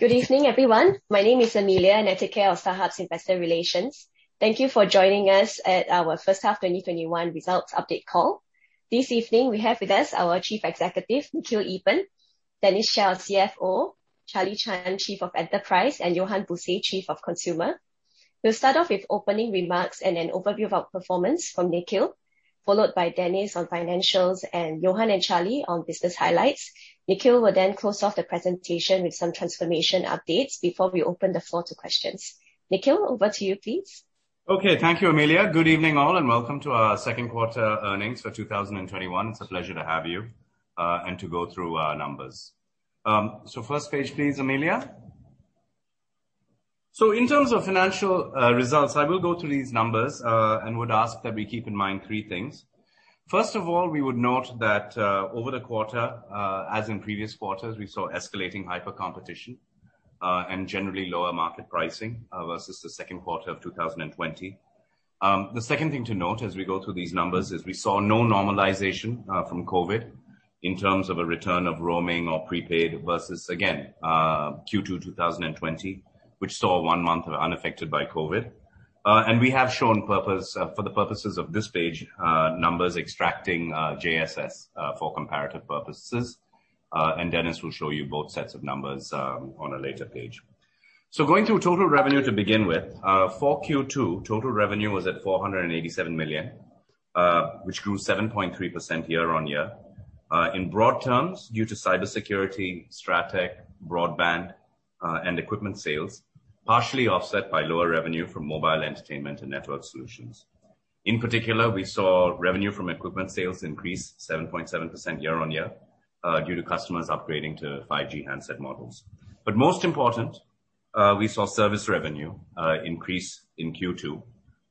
Good evening, everyone. My name is Amelia, and I take care of StarHub's investor relations. Thank you for joining us at our first half 2021 results update call. This evening, we have with us our Chief Executive, Nikhil Eapen, Dennis Chia, our CFO, Charlie Chan, Chief of Enterprise, and Johan Buse, Chief of Consumer. We'll start off with opening remarks and an overview of our performance from Nikhil, followed by Dennis on financials, and Johan and Charlie on business highlights. Nikhil will then close off the presentation with some transformation updates before we open the floor to questions. Nikhil, over to you please. Okay. Thank you, Amelia. Good evening all, and welcome to our second quarter earnings for 2021. It's a pleasure to have you and to go through our numbers. First page please, Amelia. In terms of financial results, I will go through these numbers and would ask that we keep in mind three things. First of all, we would note that, over the quarter, as in previous quarters, we saw escalating hyper competition, and generally lower market pricing versus the second quarter of 2020. The second thing to note as we go through these numbers is we saw no normalization from COVID in terms of a return of roaming or prepaid versus again, Q2 2020, which saw one month unaffected by COVID. We have shown for the purposes of this page, numbers extracting JSS for comparative purposes, Dennis will show you both sets of numbers on a later page. Going through total revenue to begin with. For Q2, total revenue was at 487 million, which grew 7.3% year-on-year. In broad terms due to cybersecurity, Strateq, broadband, and equipment sales, partially offset by lower revenue from mobile entertainment and network solutions. In particular, we saw revenue from equipment sales increase 7.7% year-on-year, due to customers upgrading to 5G handset models. Most important, we saw service revenue increase in Q2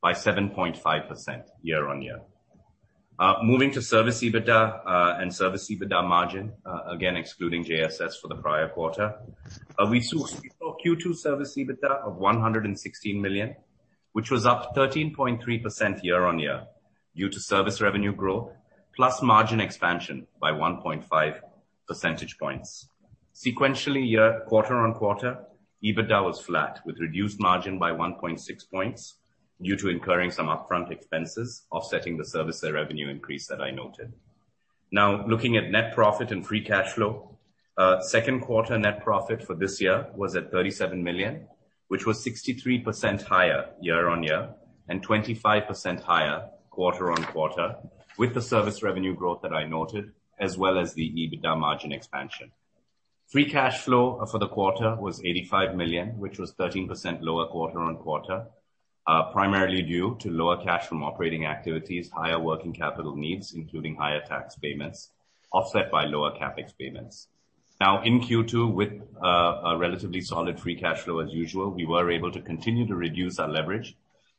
by 7.5% year-on-year. Moving to service EBITDA and service EBITDA margin, again, excluding JSS for the prior quarter. We saw Q2 service EBITDA of 116 million, which was up 13.3% year-on-year due to service revenue growth, plus margin expansion by 1.5 percentage points. Sequentially year quarter-on-quarter, EBITDA was flat with reduced margin by 1.6 points due to incurring some upfront expenses offsetting the service revenue increase that I noted. Now looking at net profit and free cash flow. Second quarter net profit for this year was at 37 million, which was 63% higher year-on-year and 25% higher quarter-on-quarter with the service revenue growth that I noted as well as the EBITDA margin expansion. Free cash flow for the quarter was 85 million, which was 13% lower quarter-on-quarter, primarily due to lower cash from operating activities, higher working capital needs, including higher tax payments, offset by lower CapEx payments. Now in Q2 with a relatively solid free cash flow as usual, we were able to continue to reduce our leverage,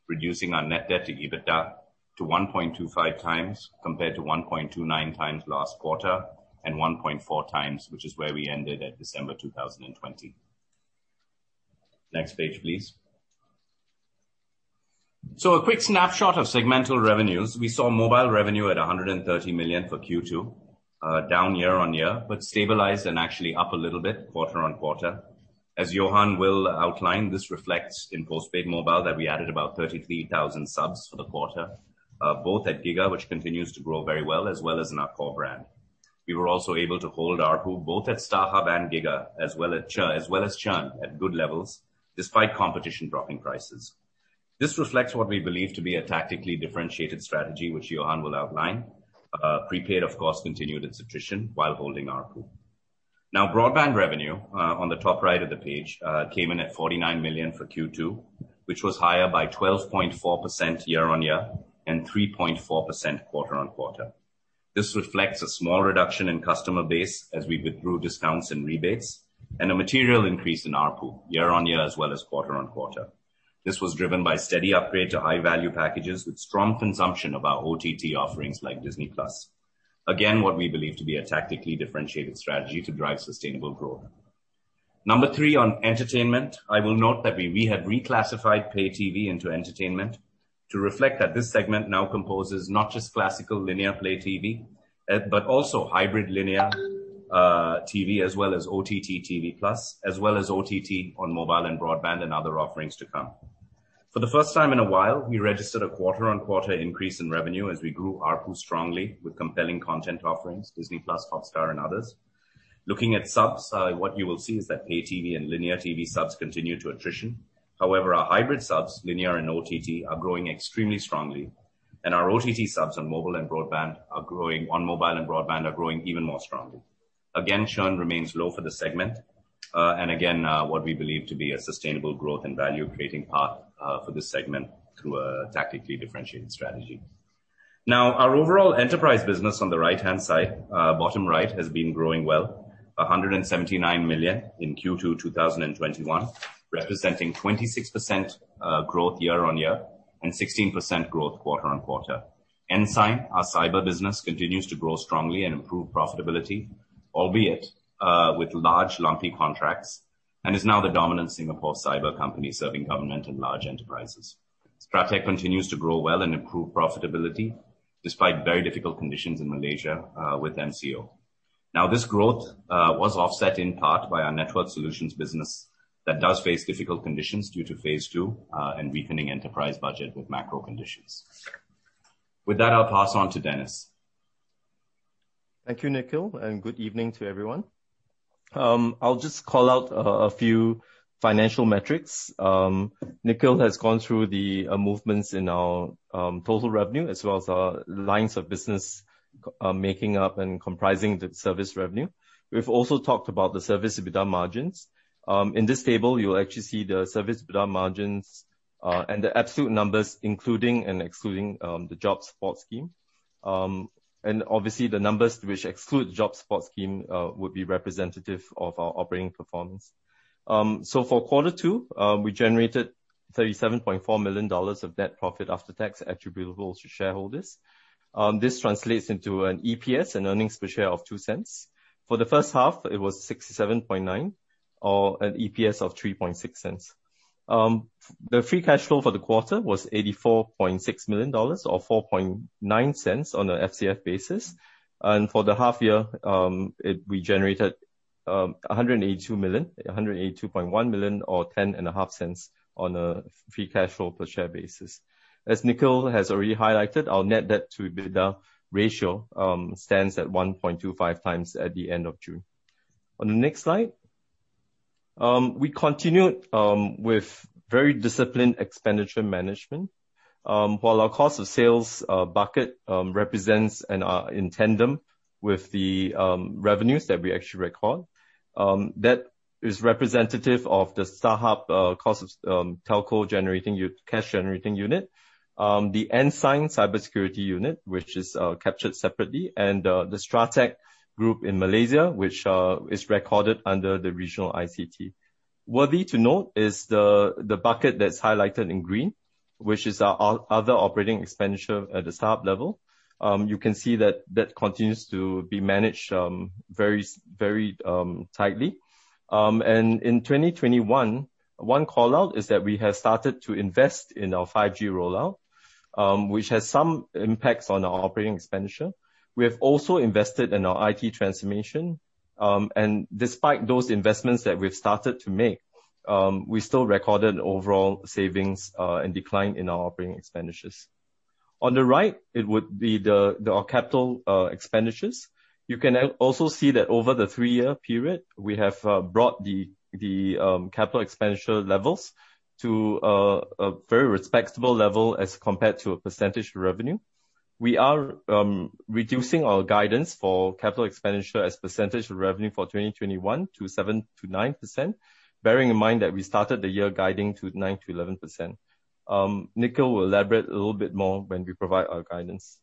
reducing our net debt to EBITDA to 1.25 times compared to 1.29 times last quarter and 1.4 times, which is where we ended at December 2020. Next page please. A quick snapshot of segmental revenues. We saw mobile revenue at 130 million for Q2, down year-on-year, but stabilized and actually up a little bit quarter-on-quarter. As Johan will outline, this reflects in postpaid mobile that we added about 33,000 subs for the quarter, both at giga, which continues to grow very well, as well as in our core brand. We were also able to hold ARPU both at StarHub and giga as well as churn at good levels despite competition dropping prices. This reflects what we believe to be a tactically differentiated strategy which Johan will outline. Prepaid of course, continued its attrition while holding ARPU. Broadband revenue, on the top right of the page, came in at 49 million for Q2, which was higher by 12.4% year-on-year and 3.4% quarter-on-quarter. This reflects a small reduction in customer base as we withdrew discounts and rebates, and a material increase in ARPU year-on-year as well as quarter-on-quarter. This was driven by steady upgrade to high value packages with strong consumption of our OTT offerings like Disney+. What we believe to be a tactically differentiated strategy to drive sustainable growth. Number three on entertainment, I will note that we have reclassified pay TV into entertainment to reflect that this segment now composes not just classical linear pay TV, but also hybrid linear TV as well as OTT TV+, as well as OTT on mobile and broadband and other offerings to come. For the first time in a while, we registered a quarter-on-quarter increase in revenue as we grew ARPU strongly with compelling content offerings, Disney+, Hotstar and others. Looking at subs, what you will see is that pay TV and linear TV subs continue to attrition. However, our hybrid subs, linear and OTT, are growing extremely strongly, and our OTT subs on mobile and broadband are growing even more strongly. Again, churn remains low for the segment, again, what we believe to be a sustainable growth and value creating path for this segment through a tactically differentiated strategy. Now our overall Enterprise business on the right-hand side, bottom right, has been growing well, 179 million in Q2 2021, representing 26% growth year-on-year and 16% growth quarter-on-quarter. Ensign, our cyber business, continues to grow strongly and improve profitability, albeit, with large lumpy contracts and is now the dominant Singapore cyber company serving government and large Enterprises. Strateq continues to grow well and improve profitability despite very difficult conditions in Malaysia with MCO. Now, this growth was offset in part by our network solutions business that does face difficult conditions due to phase II and weakening Enterprise budget with macro conditions. With that, I'll pass on to Dennis. Thank you, Nikhil. Good evening to everyone. I'll just call out a few financial metrics. Nikhil has gone through the movements in our total revenue as well as our lines of business making up and comprising the service revenue. We've also talked about the service EBITDA margins. In this table, you will actually see the service EBITDA margins, the absolute numbers including and excluding the Jobs Support Scheme. Obviously the numbers which exclude the Jobs Support Scheme will be representative of our operating performance. For quarter two, we generated 37.4 million dollars of net profit after tax attributable to shareholders. This translates into an EPS, an earnings per share of 0.02. For the first half it was 67.9 million or an EPS of 0.036. The free cash flow for the quarter was 84.6 million dollars or 0.049 on an FCF basis. For the half year, we generated 182.1 million or 0.105 on a FCF per share basis. As Nikhil has already highlighted, our net debt to EBITDA ratio stands at 1.25x at the end of June. On the next slide, we continued with very disciplined expenditure management. While our cost of sales bucket represents and are in tandem with the revenues that we actually record, that is representative of the StarHub cost of telco cash generating unit. The Ensign cybersecurity unit, which is captured separately, and the Strateq Group in Malaysia, which is recorded under the regional ICT. Worthy to note is the bucket that's highlighted in green, which is our other operating expenditure at the StarHub level. You can see that that continues to be managed very tightly. In 2021, one call-out is that we have started to invest in our 5G rollout, which has some impacts on our operating expenditure. We have also invested in our IT transformation. Despite those investments that we've started to make, we still recorded overall savings and decline in our operating expenditures. On the right, it would be our capital expenditures. You can also see that over the three-year period, we have brought the capital expenditure levels to a very respectable level as compared to a percentage of revenue. We are reducing our guidance for capital expenditure as percentage of revenue for 2021 to 7%-9%, bearing in mind that we started the year guiding to 9%-11%. Nikhil will elaborate a little bit more when we provide our guidance.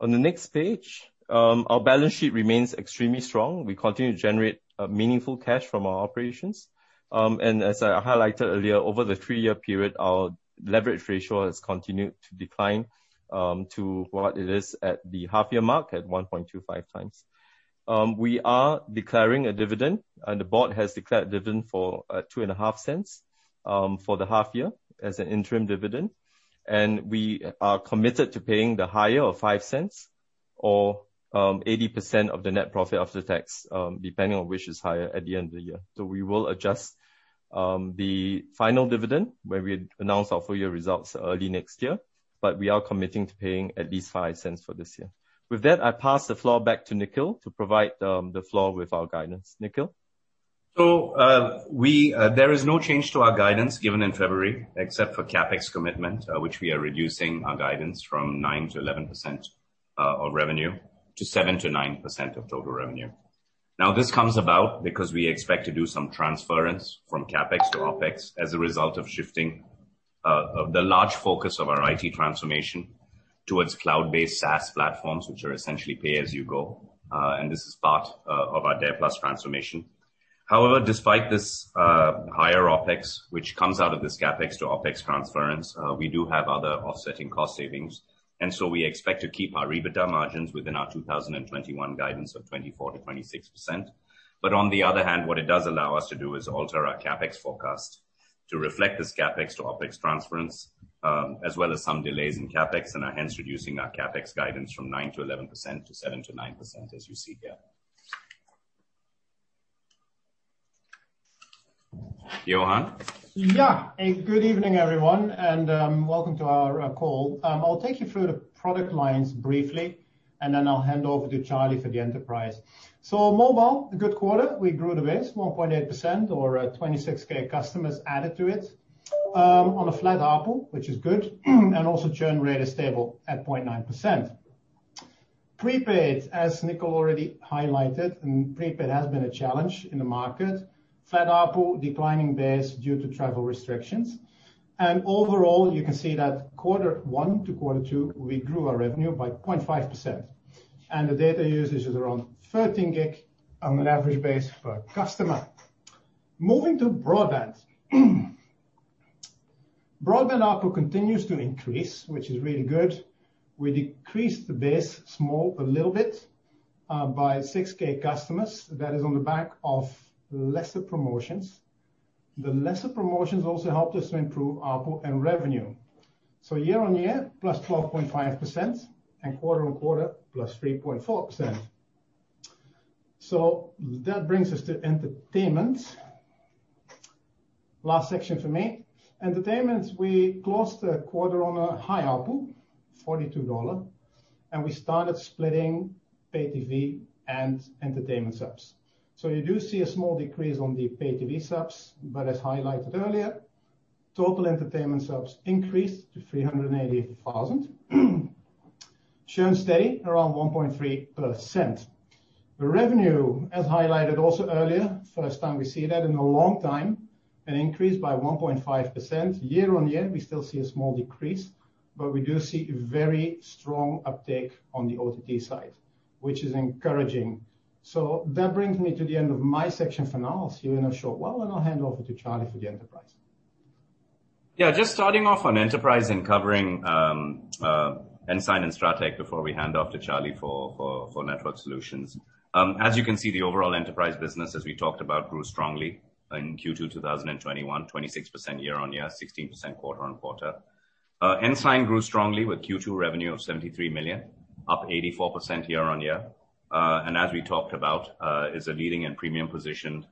On the next page, our balance sheet remains extremely strong. We continue to generate meaningful cash from our operations. As I highlighted earlier, over the three-year period, our leverage ratio has continued to decline to what it is at the half year mark at 1.25x. We are declaring a dividend, the board has declared dividend for 0.025 for the half year as an interim dividend, we are committed to paying the higher or 0.05 or 80% of the net profit after tax, depending on which is higher at the end of the year. We will adjust the final dividend when we announce our full-year results early next year, we are committing to paying at least 0.05 for this year. With that, I pass the floor back to Nikhil to provide the floor with our guidance. Nikhil? There is no change to our guidance given in February except for CapEx commitment, which we are reducing our guidance from 9%-11% of revenue to 7%-9% of total revenue. This comes about because we expect to do some transference from CapEx to OpEx as a result of shifting the large focus of our IT transformation towards cloud-based SaaS platforms, which are essentially pay as you go. This is part of our DARE+ transformation. However, despite this higher OpEx, which comes out of this CapEx to OpEx transference, we do have other offsetting cost savings, and so we expect to keep our EBITDA margins within our 2021 guidance of 24%-26%. On the other hand, what it does allow us to do is alter our CapEx forecast to reflect this CapEx to OpEx transference, as well as some delays in CapEx and are hence reducing our CapEx guidance from 9%-11% to 7%-9%, as you see here. Johan? Yeah. Good evening everyone, welcome to our call. I'll take you through the product lines briefly, then I'll hand over to Charlie for the enterprise. Mobile, a good quarter. We grew the base, 1.8% or 26,000 customers added to it on a flat ARPU, which is good, also churn rate is stable at 0.9%. Prepaid, as Nikhil already highlighted, prepaid has been a challenge in the market. Flat ARPU, declining base due to travel restrictions. Overall, you can see that quarter one to quarter two, we grew our revenue by 0.5%. The data usage is around 13 GB on an average base per customer. Moving to broadband. Broadband ARPU continues to increase, which is really good. We decreased the base a little bit by 6,000 customers, that is on the back of lesser promotions. The lesser promotions also helped us to improve ARPU and revenue. Year-on-year, +12.5%, and quarter-on-quarter, +3.4%. That brings us to entertainment. Last section for me. Entertainment, we closed the quarter on a high ARPU, 42 dollar, and we started splitting pay TV and entertainment subs. You do see a small decrease on the pay TV subs, but as highlighted earlier, total entertainment subs increased to 380,000. Churn steady around 1.3%. The revenue, as highlighted also earlier, first time we see that in a long time, an increase by 1.5%. Year-on-year, we still see a small decrease, but we do see very strong uptake on the OTT side, which is encouraging. That brings me to the end of my section for now. Steven, not sure, why don't I hand over to Charlie for the enterprise? Just starting off on enterprise and covering Ensign and Strateq before we hand off to Charlie for network solutions. As you can see, the overall enterprise business, as we talked about, grew strongly in Q2 2021, 26% year-on-year, 16% quarter-on-quarter. Ensign grew strongly with Q2 revenue of 73 million, up 84% year-on-year. As we talked about, is a leading and premium position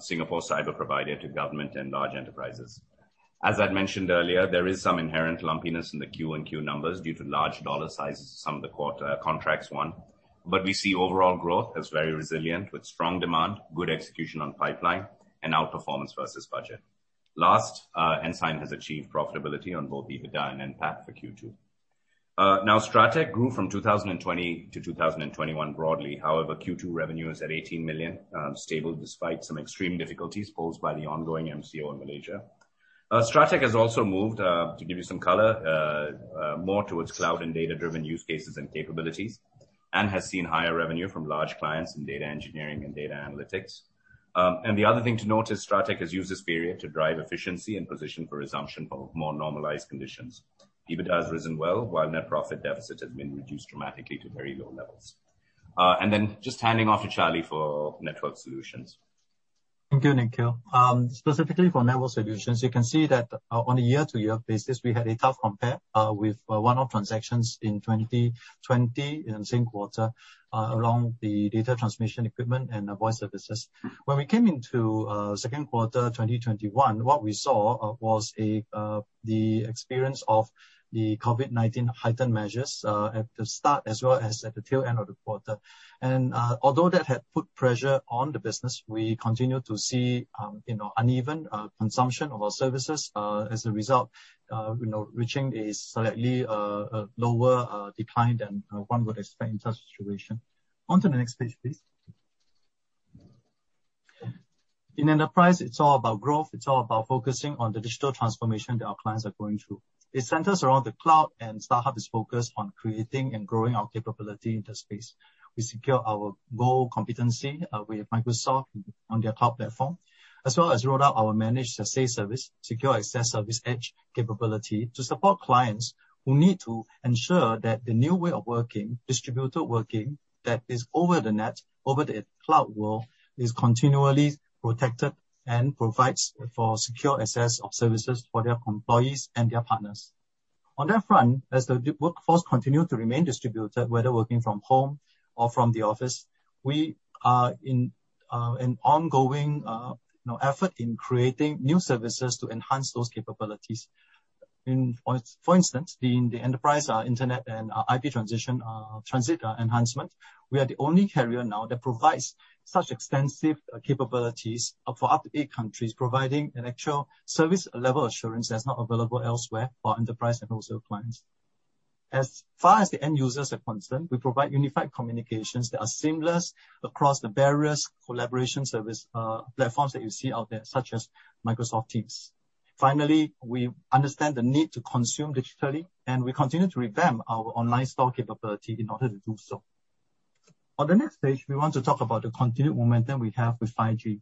Singapore cyber provider to government and large enterprises. As I'd mentioned earlier, there is some inherent lumpiness in the QoQ numbers due to large dollar sizes, some of the quarter contracts won. We see overall growth as very resilient with strong demand, good execution on pipeline, and outperformance versus budget. Last, Ensign has achieved profitability on both EBITDA and NPAT for Q2. Strateq grew from 2020 to 2021 broadly. Q2 revenue is at 18 million, stable despite some extreme difficulties posed by the ongoing MCO in Malaysia. Strateq has also moved, to give you some color, more towards cloud and data-driven use cases and capabilities, and has seen higher revenue from large clients in data engineering and data analytics. The other thing to note is Strateq has used this period to drive efficiency and position for resumption of more normalized conditions. EBITDA has risen well, while net profit deficit has been reduced dramatically to very low levels. Just handing off to Charlie for network solutions. Thank you, Nikhil. Specifically for network solutions, you can see that on a year-to-year basis, we had a tough compare with one-off transactions in 2020, in the same quarter, along the data transmission equipment and voice services. When we came into second quarter 2021, what we saw was the experience of the COVID-19 heightened measures at the start as well as at the tail end of the quarter. Although that had put pressure on the business, we continued to see uneven consumption of our services, as a result, reaching a slightly lower decline than one would expect in such situation. On to the next page, please. In enterprise, it's all about growth. It's all about focusing on the digital transformation that our clients are going through. It centers around the cloud, and StarHub is focused on creating and growing our capability in the space. We secure our Gold competency with Microsoft on their cloud platform, as well as rolled out our Managed SASE Service, secure access service edge capability to support clients who need to ensure that the new way of working, distributed working, that is over the net, over the cloud world, is continually protected and provides for secure access of services for their employees and their partners. On that front, as the workforce continue to remain distributed, whether working from home or from the office, we are in an ongoing effort in creating new services to enhance those capabilities. For instance, in the enterprise internet and IP transition transit enhancement, we are the only carrier now that provides such extensive capabilities for up to eight countries, providing an actual service level assurance that's not available elsewhere for enterprise and wholesale clients. As far as the end users are concerned, we provide unified communications that are seamless across the various collaboration service platforms that you see out there, such as Microsoft Teams. Finally, we understand the need to consume digitally, and we continue to revamp our online store capability in order to do so. On the next page, we want to talk about the continued momentum we have with 5G.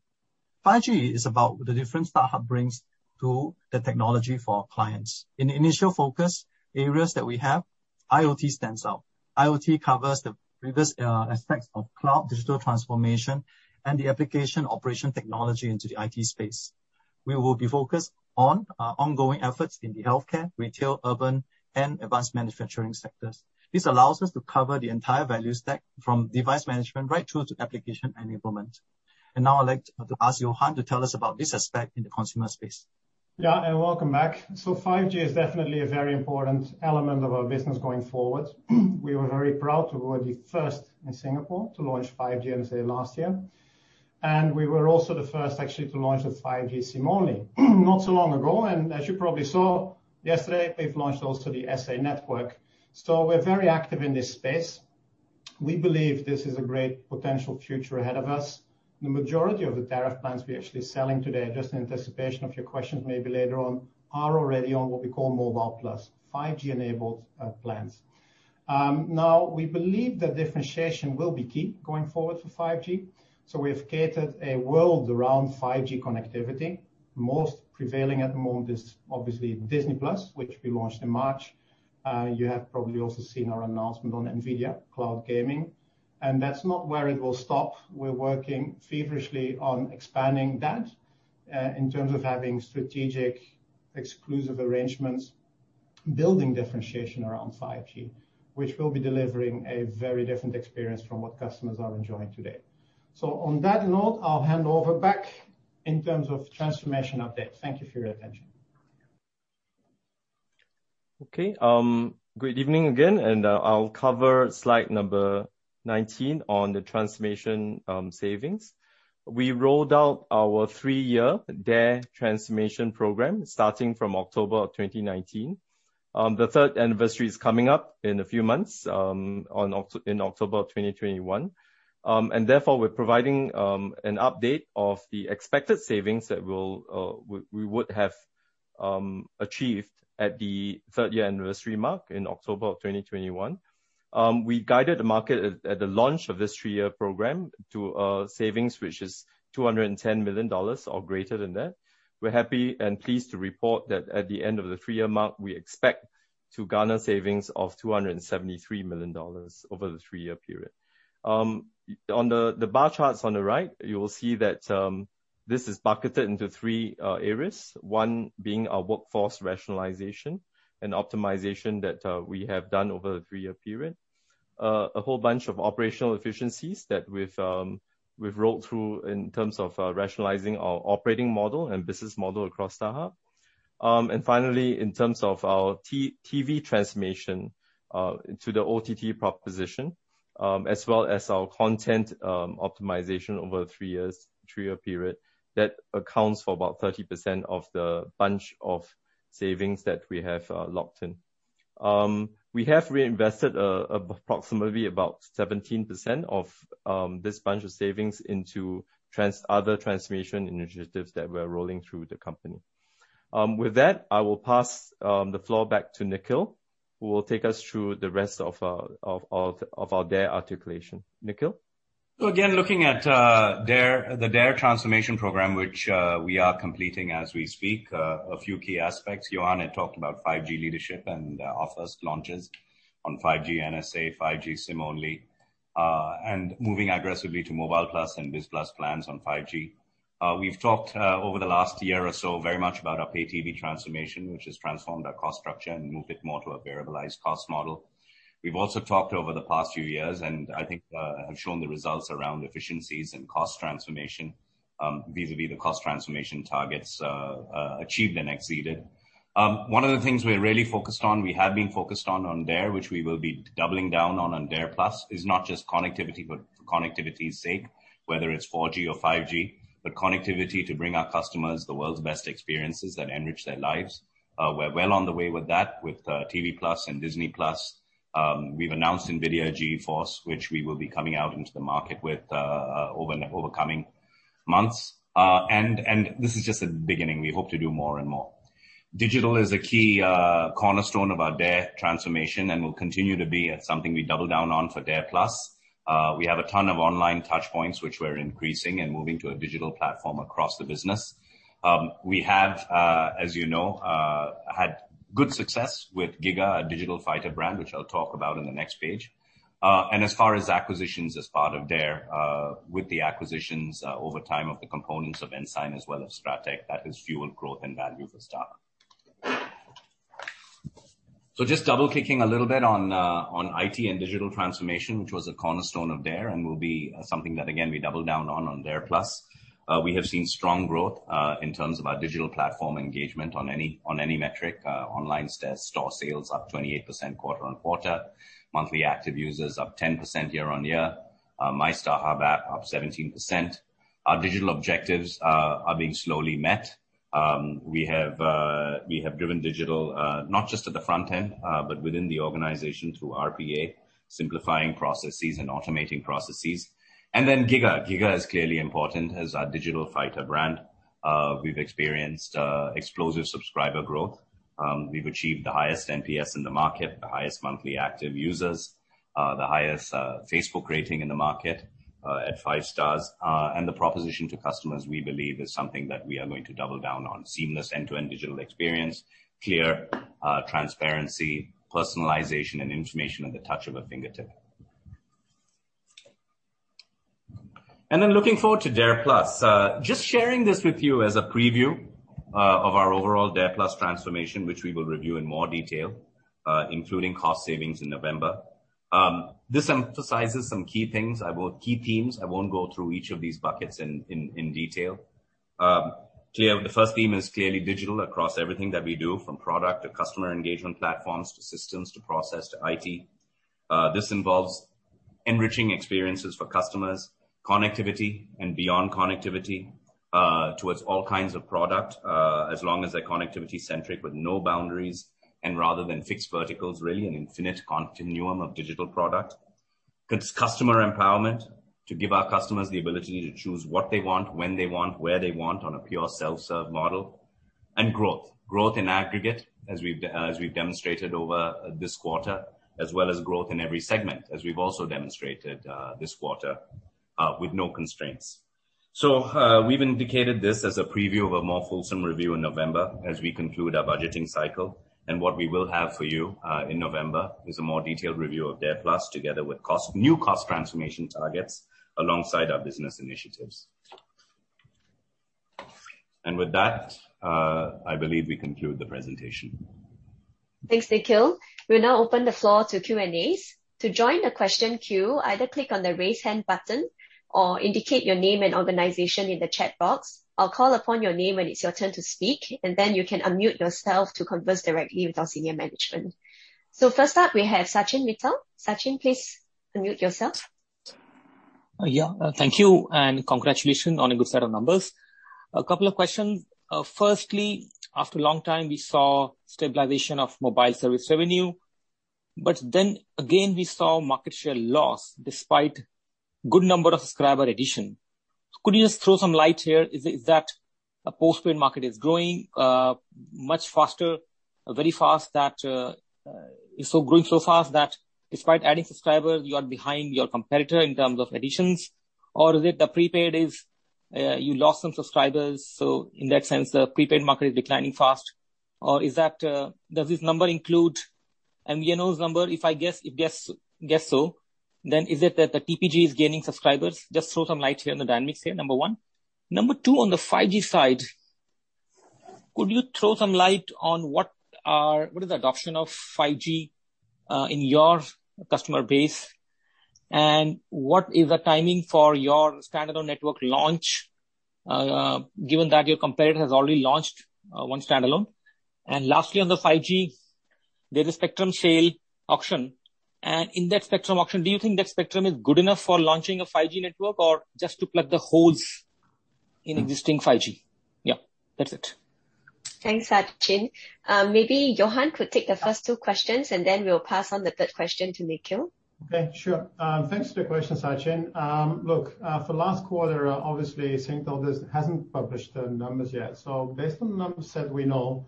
5G is about the difference StarHub brings to the technology for our clients. In the initial focus areas that we have, IoT stands out. IoT covers the previous aspects of cloud digital transformation and the application operation technology into the IT space. We will be focused on ongoing efforts in the healthcare, retail, urban, and advanced manufacturing sectors. This allows us to cover the entire value stack from device management right through to application enablement. Now I'd like to ask Johan to tell us about this aspect in the consumer space. Welcome back. 5G is definitely a very important element of our business going forward. We were very proud to be the first in Singapore to launch 5G let's say last year. We were also the first actually to launch with 5G SIM only, not so long ago. As you probably saw yesterday, we've launched also the SA network. We're very active in this space. We believe this is a great potential future ahead of us. The majority of the tariff plans we're actually selling today, just in anticipation of your questions maybe later on, are already on what we call Mobile+ 5G-enabled plans. We believe that differentiation will be key going forward for 5G. We've catered a world around 5G connectivity. Most prevailing at the moment is obviously Disney+, which we launched in March. You have probably also seen our announcement on NVIDIA cloud gaming. That's not where it will stop. We're working feverishly on expanding that. In terms of having strategic exclusive arrangements, building differentiation around 5G, which will be delivering a very different experience from what customers are enjoying today. On that note, I'll hand over back in terms of transformation update. Thank you for your attention. Okay. Good evening again, I'll cover slide number 19 on the transformation savings. We rolled out our three-year DARE transformation program starting from October 2019. The 3rd-anniversary is coming up in a few months in October 2021. Therefore, we're providing an update of the expected savings that we would have achieved at the 3rd-year anniversary mark in October 2021. We guided the market at the launch of this three-year program to a savings, which is 210 million dollars or greater than that. We're happy and pleased to report that at the end of the three-year mark, we expect to garner savings of 273 million dollars over the three-year period. On the bar charts on the right, you will see that this is bucketed into three areas, one being our workforce rationalization and optimization that we have done over the three-year period. A whole bunch of operational efficiencies that we've rolled through in terms of rationalizing our operating model and business model across StarHub. Finally, in terms of our TV transformation to the OTT proposition as well as our content optimization over a three-year period. That accounts for about 30% of the bunch of savings that we have locked in. We have reinvested approximately about 17% of this bunch of savings into other transformation initiatives that we're rolling through the company. With that, I will pass the floor back to Nikhil, who will take us through the rest of our DARE articulation. Nikhil? Again, looking at the DARE transformation program, which we are completing as we speak. A few key aspects. Johan had talked about 5G leadership and our first launches on 5G NSA, 5G SIM-only. Moving aggressively to Mobile+ and Biz+ plans on 5G. We've talked over the last year or so very much about our pay TV transformation, which has transformed our cost structure and moved it more to a variabilized cost model. We've also talked over the past few years, and I think have shown the results around efficiencies and cost transformation vis-à-vis the cost transformation targets achieved and exceeded. One of the things we're really focused on DARE, which we will be doubling down on DARE+, is not just connectivity for connectivity's sake, whether it's 4G or 5G, but connectivity to bring our customers the world's best experiences that enrich their lives. We're well on the way with that with TV+ and Disney+. We've announced NVIDIA GeForce, which we will be coming out into the market with over coming months. This is just the beginning. We hope to do more and more. Digital is a key cornerstone of our DARE transformation and will continue to be something we double down on for DARE+. We have a ton of online touchpoints, which we're increasing and moving to a digital platform across the business. We have, as you know, had good success with giga!, a digital fighter brand, which I'll talk about on the next page. As far as acquisitions as part of DARE, with the acquisitions over time of the components of Ensign as well as Strateq, that has fueled growth and value for StarHub. Just double-clicking a little bit on IT and digital transformation, which was a cornerstone of DARE and will be something that again, we double down on DARE+. We have seen strong growth in terms of our digital platform engagement on any metric. Online store sales up 28% quarter on quarter. Monthly active users up 10% year on year. My StarHub app up 17%. Our digital objectives are being slowly met. We have driven digital, not just at the front end, but within the organization through RPA, simplifying processes and automating processes. Then giga!, giga! is clearly important as our digital fighter brand. We've experienced explosive subscriber growth. We've achieved the highest NPS in the market, the highest monthly active users, the highest Facebook rating in the market at five stars. The proposition to customers, we believe, is something that we are going to double down on. Seamless end-to-end digital experience, clear transparency, personalization, and information at the touch of a fingertip. Looking forward to DARE+. Just sharing this with you as a preview of our overall DARE+ transformation, which we will review in more detail, including cost savings in November. This emphasizes some key things, key themes. I won't go through each of these buckets in detail. The first theme is clearly digital across everything that we do, from product to customer engagement platforms, to systems, to process, to IT. This involves enriching experiences for customers, connectivity and beyond connectivity towards all kinds of product, as long as they're connectivity-centric with no boundaries and rather than fixed verticals, really an infinite continuum of digital product. Customer empowerment to give our customers the ability to choose what they want, when they want, where they want on a pure self-serve model. Growth. Growth in aggregate, as we've demonstrated over this quarter, as well as growth in every segment, as we've also demonstrated this quarter with no constraints. We've indicated this as a preview of a more fulsome review in November as we conclude our budgeting cycle. What we will have for you in November is a more detailed review of DARE+ together with new cost transformation targets alongside our business initiatives. With that, I believe we conclude the presentation. Thanks, Nikhil. We'll now open the floor to Q&As. To join the question queue, either click on the raise hand button or indicate your name and organization in the chat box. I'll call upon your name when it's your turn to speak, and then you can unmute yourself to converse directly with our senior management. First up, we have Sachin Mittal. Sachin, please unmute yourself. Thank you, congratulations on a good set of numbers. A couple of questions. Firstly, after a long time, we saw stabilization of mobile service revenue. We saw market share loss despite good number of subscriber addition. Could you just throw some light here? Is that postpaid market is growing very fast that is growing so fast that despite adding subscribers, you are behind your competitor in terms of additions? Is it the prepaid is you lost some subscribers, so in that sense, the prepaid market is declining fast? Does this number include MVNO's number? If I guess so, is it that the TPG is gaining subscribers? Just throw some light here on the dynamics here, number one. Number two, on the 5G side, could you throw some light on what is the adoption of 5G in your customer base, and what is the timing for your standalone network launch, given that your competitor has already launched one standalone? Lastly, on the 5G, there's a spectrum sale auction. In that spectrum auction, do you think that spectrum is good enough for launching a 5G network or just to plug the holes in existing 5G? Yeah. That's it. Thanks, Sachin. Maybe Johan could take the first two questions, and then we'll pass on the third question to Nikhil. Okay. Sure. Thanks for the question, Sachin. Look, for last quarter, obviously, Singtel hasn't published their numbers yet. Based on the numbers that we know,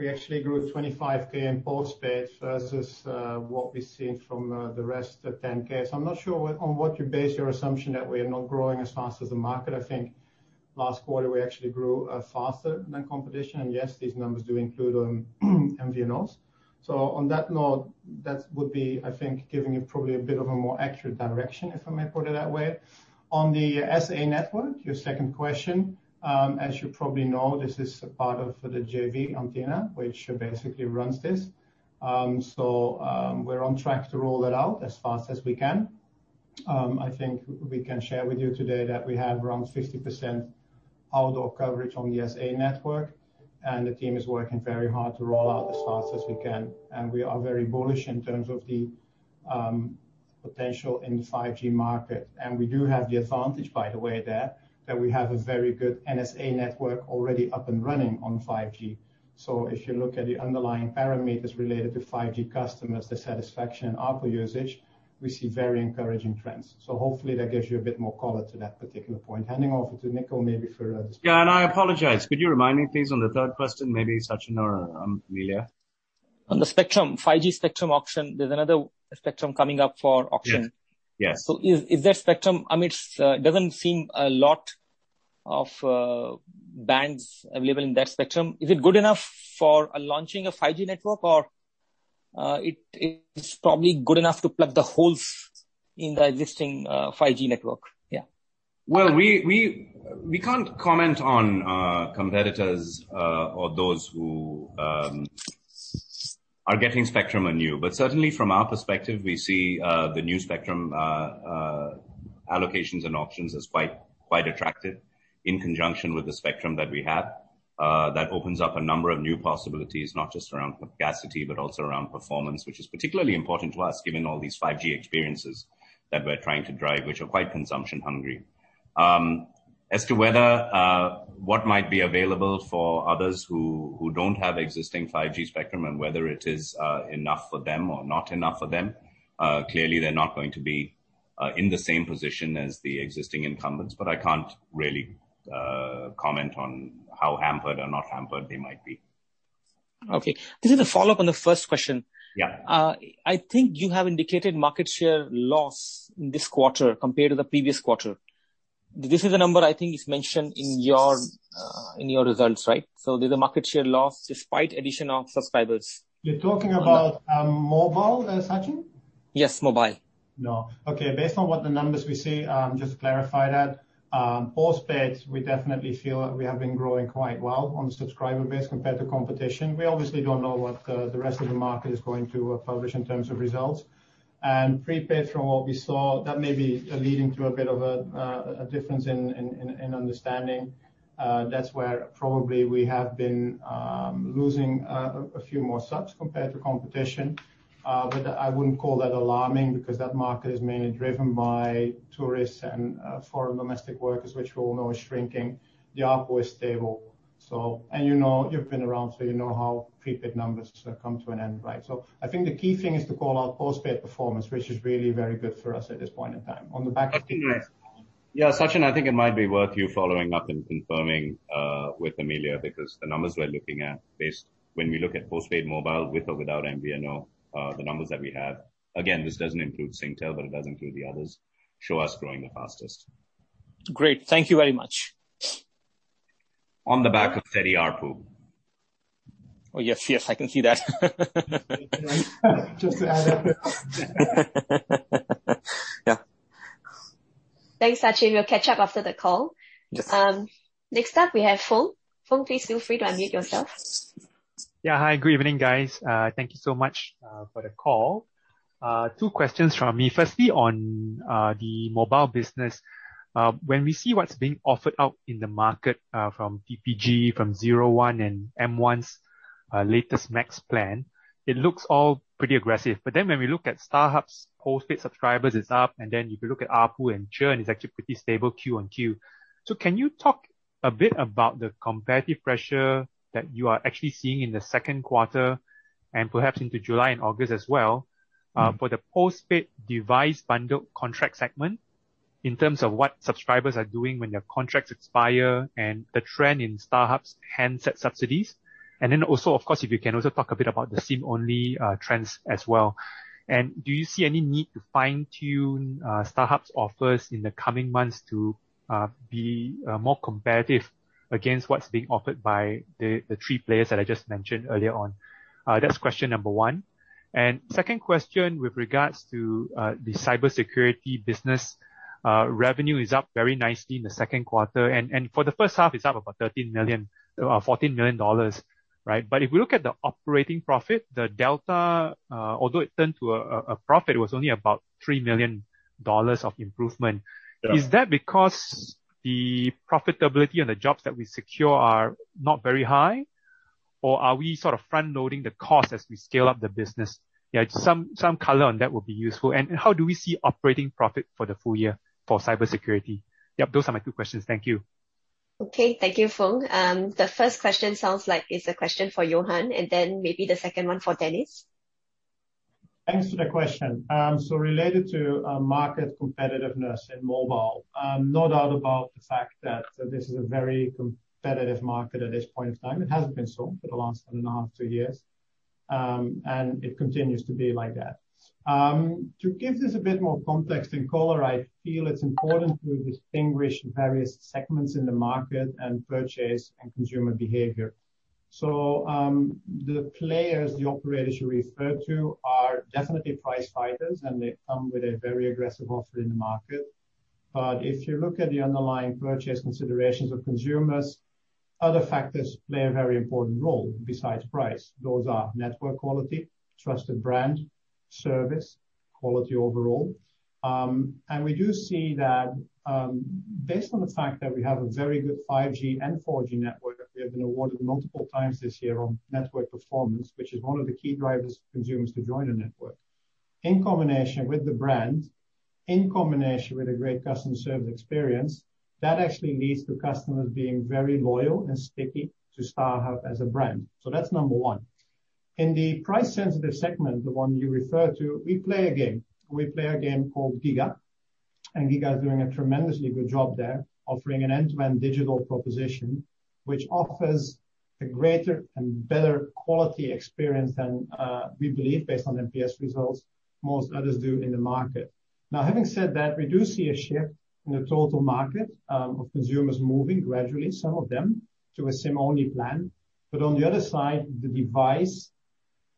we actually grew 25K in postpaid versus what we've seen from the rest at 10K. I'm not sure on what you base your assumption that we are not growing as fast as the market. I think last quarter, we actually grew faster than competition. Yes, these numbers do include MVNOs. On that note, that would be, I think, giving you probably a bit of a more accurate direction, if I may put it that way. On the SA network, your second question, as you probably know, this is a part of the JV Antina, which basically runs this. We're on track to roll that out as fast as we can. I think we can share with you today that we have around 50% outdoor coverage on the SA network, and the team is working very hard to roll out as fast as we can. We are very bullish in terms of the potential in the 5G market. We do have the advantage, by the way there, that we have a very good NSA network already up and running on 5G. If you look at the underlying parameters related to 5G customers, the satisfaction and ARPU usage, we see very encouraging trends. Hopefully, that gives you a bit more color to that particular point. Handing over to Nikhil maybe for this- Yeah, I apologize. Could you remind me, please, on the third question, maybe Sachin or Amelia? On the spectrum, 5G spectrum auction. There's another spectrum coming up for auction. Yes. Yes. Is that spectrum, it doesn't seem a lot of bands available in that spectrum. Is it good enough for launching a 5G network or it is probably good enough to plug the holes in the existing 5G network? Yeah. We can't comment on competitors or those who are getting spectrum anew. Certainly, from our perspective, we see the new spectrum allocations and auctions as quite attractive in conjunction with the spectrum that we have. That opens up a number of new possibilities, not just around capacity, but also around performance, which is particularly important to us given all these 5G experiences that we're trying to drive, which are quite consumption-hungry. As to whether what might be available for others who don't have existing 5G spectrum and whether it is enough for them or not enough for them, clearly, they're not going to be in the same position as the existing incumbents. I can't really comment on how hampered or not hampered they might be. Okay. This is a follow-up on the first question. Yeah. I think you have indicated market share loss in this quarter compared to the previous quarter. This is a number I think is mentioned in your results, right? There's a market share loss despite addition of subscribers. You're talking about mobile, Sachin? Yes, mobile. No. Okay. Based on what the numbers we see, just to clarify that, postpaid, we definitely feel that we have been growing quite well on the subscriber base compared to competition. We obviously don't know what the rest of the market is going to publish in terms of results. Prepaid, from what we saw, that may be leading to a bit of a difference in understanding. That's where probably we have been losing a few more subs compared to competition. I wouldn't call that alarming because that market is mainly driven by tourists and foreign domestic workers, which we all know is shrinking. The ARPU is stable. You've been around, so you know how prepaid numbers come to an end, right? I think the key thing is to call out postpaid performance, which is really very good for us at this point in time. On the back of. Yeah, Sachin, I think it might be worth you following up and confirming with Amelia because the numbers we're looking at based when we look at postpaid mobile with or without MVNO, the numbers that we have, again, this doesn't include Singtel, but it does include the others, show us growing the fastest. Great. Thank you very much. On the back of steady ARPU Oh, yes, I can see that. Just to add up. Yeah. Thanks, Sachin. We'll catch up after the call. Yes. Next up we have Foong. Foong, please feel free to unmute yourself. Hi, good evening, guys. Thank you so much for the call. two questions from me. Firstly, on the mobile business, when we see what's being offered out in the market from TPG, from Zero1 and M1's latest Maxx plan, it looks all pretty aggressive. When we look at StarHub's postpaid subscribers, it's up. If you look at ARPU and churn is actually pretty stable QoQ. Can you talk a bit about the competitive pressure that you are actually seeing in the second quarter, and perhaps into July and August as well for the postpaid device bundle contract segment in terms of what subscribers are doing when their contracts expire and the trend in StarHub's handset subsidies? Also, of course, if you can also talk a bit about the SIM-only trends as well. Do you see any need to fine-tune StarHub's offers in the coming months to be more competitive against what's being offered by the three players that I just mentioned earlier on? That's question number one. Second question with regards to the cybersecurity business. Revenue is up very nicely in the second quarter and for the first half it's up about 14 million dollars, right? If we look at the operating profit, the delta, although it turned to a profit, was only about 3 million dollars of improvement. Yeah. Is that because the profitability on the jobs that we secure are not very high, or are we sort of front-loading the cost as we scale up the business? Yeah, some color on that would be useful. How do we see operating profit for the full year for cybersecurity? Yep. Those are my two questions. Thank you. Okay. Thank you, Foong. The first question sounds like it's a question for Johan, and then maybe the second one for Dennis. Thanks for the question. Related to market competitiveness in mobile, no doubt about the fact that this is a very competitive market at this point in time. It hasn't been so for the last 1.5, two years. It continues to be like that. To give this a bit more context and color, I feel it's important to distinguish various segments in the market and purchase and consumer behavior. The players, the operators you referred to are definitely price fighters, and they come with a very aggressive offer in the market. If you look at the underlying purchase considerations of consumers, other factors play a very important role besides price. Those are network quality, trusted brand, service, quality overall. We do see that based on the fact that we have a very good 5G and 4G network that we have been awarded multiple times this year on network performance, which is one of the key drivers for consumers to join a network. In combination with the brand, in combination with a great customer service experience, that actually leads to customers being very loyal and sticky to StarHub as a brand. That's number 1. In the price-sensitive segment, the one you referred to, we play a game. We play a game called giga!, and giga! is doing a tremendously good job there, offering an end-to-end digital proposition which offers a greater and better quality experience than, we believe based on NPS results, most others do in the market. Having said that, we do see a shift in the total market, of consumers moving gradually, some of them, to a SIM-only plan. On the other side, the device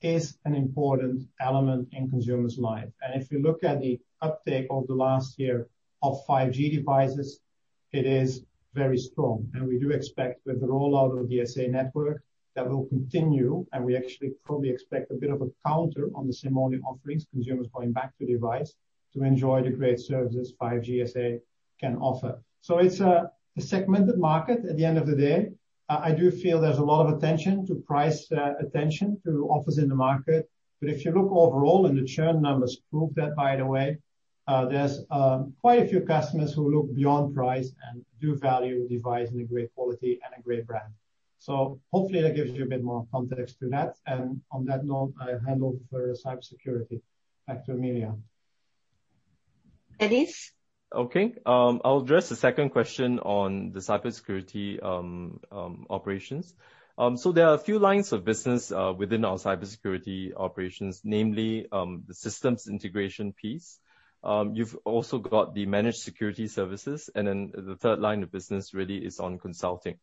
is an important element in consumers' life. If you look at the uptake over the last year of 5G devices, it is very strong. We do expect with the rollout of the SA network, that will continue, and we actually probably expect a bit of a counter on the SIM-only offerings, consumers going back to device to enjoy the great services 5G SA can offer. It's a segmented market at the end of the day. I do feel there's a lot of attention to price, attention to offers in the market. If you look overall and the churn numbers prove that by the way, there's quite a few customers who look beyond price and do value device in a great quality and a great brand. Hopefully that gives you a bit more context to that. On that note, I hand over for cybersecurity back to Amelia. Dennis. I'll address the second question on the cybersecurity operations. There are a few lines of business within our cybersecurity operations, namely, the systems integration piece. You've also got the managed security services, and then the 3rd line of business really is on consulting.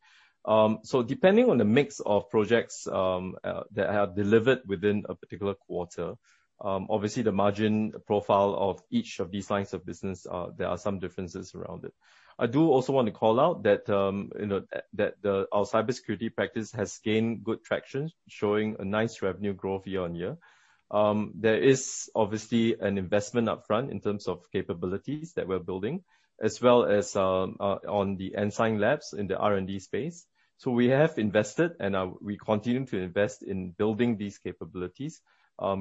Depending on the mix of projects that are delivered within a particular quarter, obviously the margin profile of each of these lines of business, there are some differences around it. I do also want to call out that our cybersecurity practice has gained good traction, showing a nice revenue growth year-on-year. There is obviously an investment upfront in terms of capabilities that we're building as well as on the Ensign Labs in the R&D space. We have invested and we continue to invest in building these capabilities,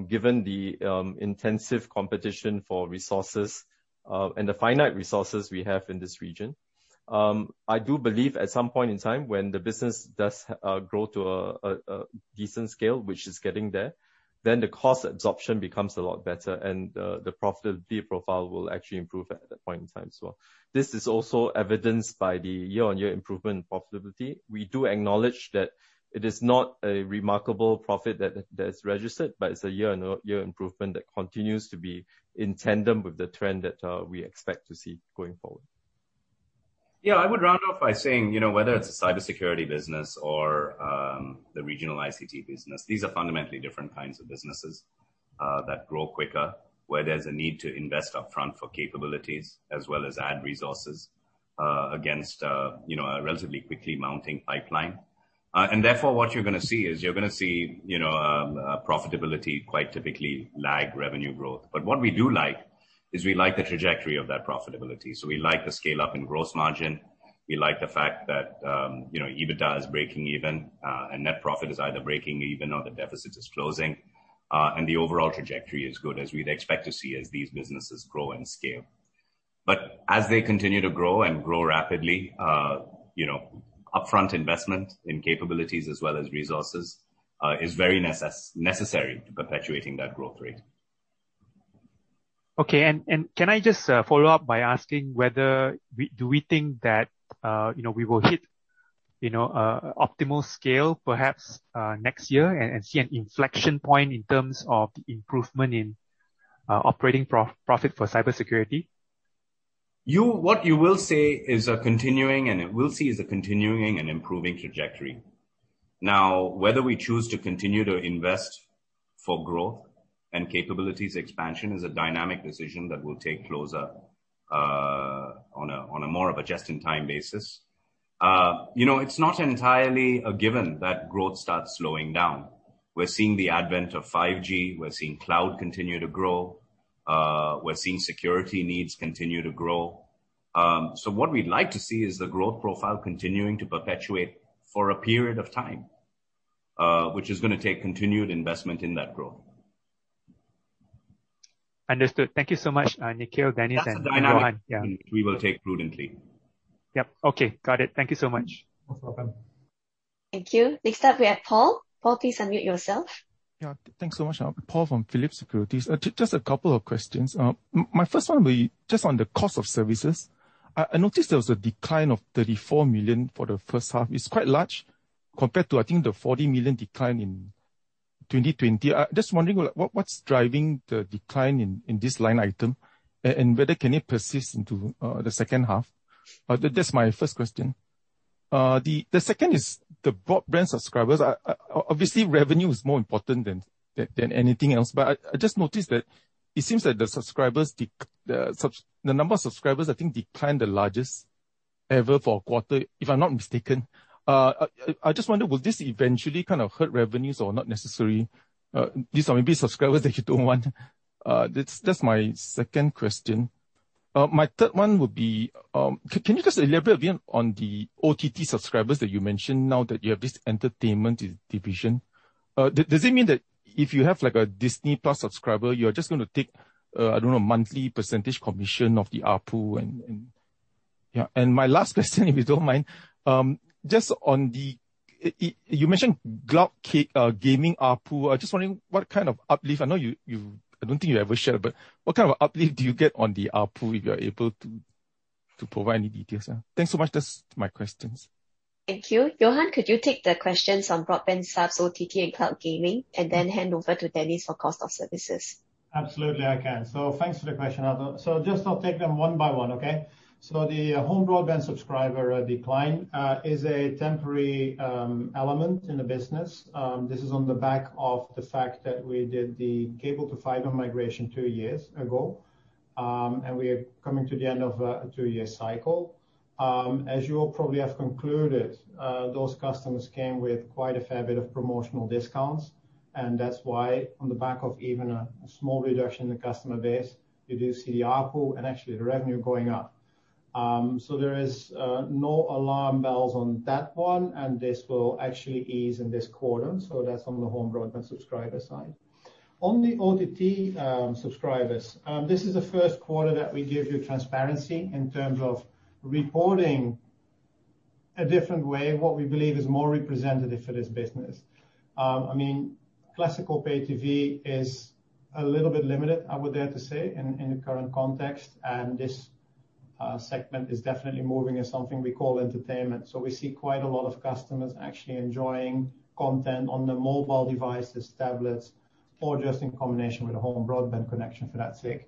given the intensive competition for resources, and the finite resources we have in this region. I do believe at some point in time when the business does grow to a decent scale, which it's getting there, then the cost absorption becomes a lot better, and the profitability profile will actually improve at that point in time as well. This is also evidenced by the year-on-year improvement in profitability. We do acknowledge that it is not a remarkable profit that is registered, but it's a year-on-year improvement that continues to be in tandem with the trend that we expect to see going forward. Yeah, I would round off by saying, whether it's a cybersecurity business or the regional ICT business, these are fundamentally different kinds of businesses that grow quicker, where there's a need to invest upfront for capabilities as well as add resources against a relatively quickly mounting pipeline. Therefore, what you're going to see is you're going to see profitability quite typically lag revenue growth. What we do like is we like the trajectory of that profitability. We like the scale-up in gross margin. We like the fact that EBITDA is breaking even, and net profit is either breaking even or the deficit is closing. The overall trajectory is good as we'd expect to see as these businesses grow and scale. As they continue to grow and grow rapidly, upfront investment in capabilities as well as resources is very necessary to perpetuating that growth rate. Okay. Can I just follow up by asking whether do we think that we will hit optimal scale perhaps next year and see an inflection point in terms of the improvement in operating profit for cybersecurity? What you will see is a continuing and improving trajectory. Whether we choose to continue to invest for growth and capabilities expansion is a dynamic decision that we'll take closer on a more of a just-in-time basis. It's not entirely a given that growth starts slowing down. We're seeing the advent of 5G. We're seeing cloud continue to grow. We're seeing security needs continue to grow. So what we'd like to see is the growth profile continuing to perpetuate for a period of time, which is going to take continued investment in that growth. Understood. Thank you so much, Nikhil, Dennis, and Johan. Yeah. That's the dynamic we will take prudently. Yep. Okay. Got it. Thank you so much. You're welcome. Thank you. Next up, we have Paul. Paul, please unmute yourself. Yeah. Thanks so much. Paul from Phillip Securities. Just a couple of questions. My first one will be just on the cost of services. I noticed there was a decline of 34 million for the first half. It's quite large compared to, I think, the 40 million decline in 2020. I'm just wondering what's driving the decline in this line item, and whether can it persist into the second half? That's my first question. The second is the broadband subscribers. Obviously, revenue is more important than anything else, but I just noticed that it seems like the number of subscribers, I think, declined the largest ever for a quarter, if I'm not mistaken. I just wonder, will this eventually hurt revenues or not necessary? These are maybe subscribers that you don't want. That's my second question. My third one would be, can you just elaborate a bit on the OTT subscribers that you mentioned now that you have this entertainment division? Does it mean that if you have a Disney+ subscriber, you're just going to take, I don't know, monthly percentage commission of the ARPU? My last question, if you don't mind, you mentioned cloud gaming ARPU. I'm just wondering what kind of uplift. I don't think you ever shared, but what kind of uplift do you get on the ARPU, if you are able to provide any details? Thanks so much. That's my questions. Thank you. Johan, could you take the questions on broadband subs, OTT, and cloud gaming, and then hand over to Dennis for cost of services? Absolutely, I can. Thanks for the question. Just I'll take them one by one, okay? The home broadband subscriber decline is a temporary element in the business. This is on the back of the fact that we did the cable to fiber migration two years ago, and we are coming to the end of a two-year cycle. As you probably have concluded, those customers came with quite a fair bit of promotional discounts, and that's why on the back of even a small reduction in the customer base, you do see the ARPU and actually the revenue going up. There is no alarm bells on that one, and this will actually ease in this quarter. That's on the home broadband subscriber side. On the OTT subscribers, this is the first quarter that we give you transparency in terms of reporting a different way, what we believe is more representative for this business. I mean, classical pay TV is a little bit limited, I would dare to say, in the current context, and this segment is definitely moving as something we call entertainment. We see quite a lot of customers actually enjoying content on their mobile devices, tablets, or just in combination with a home broadband connection for that sake.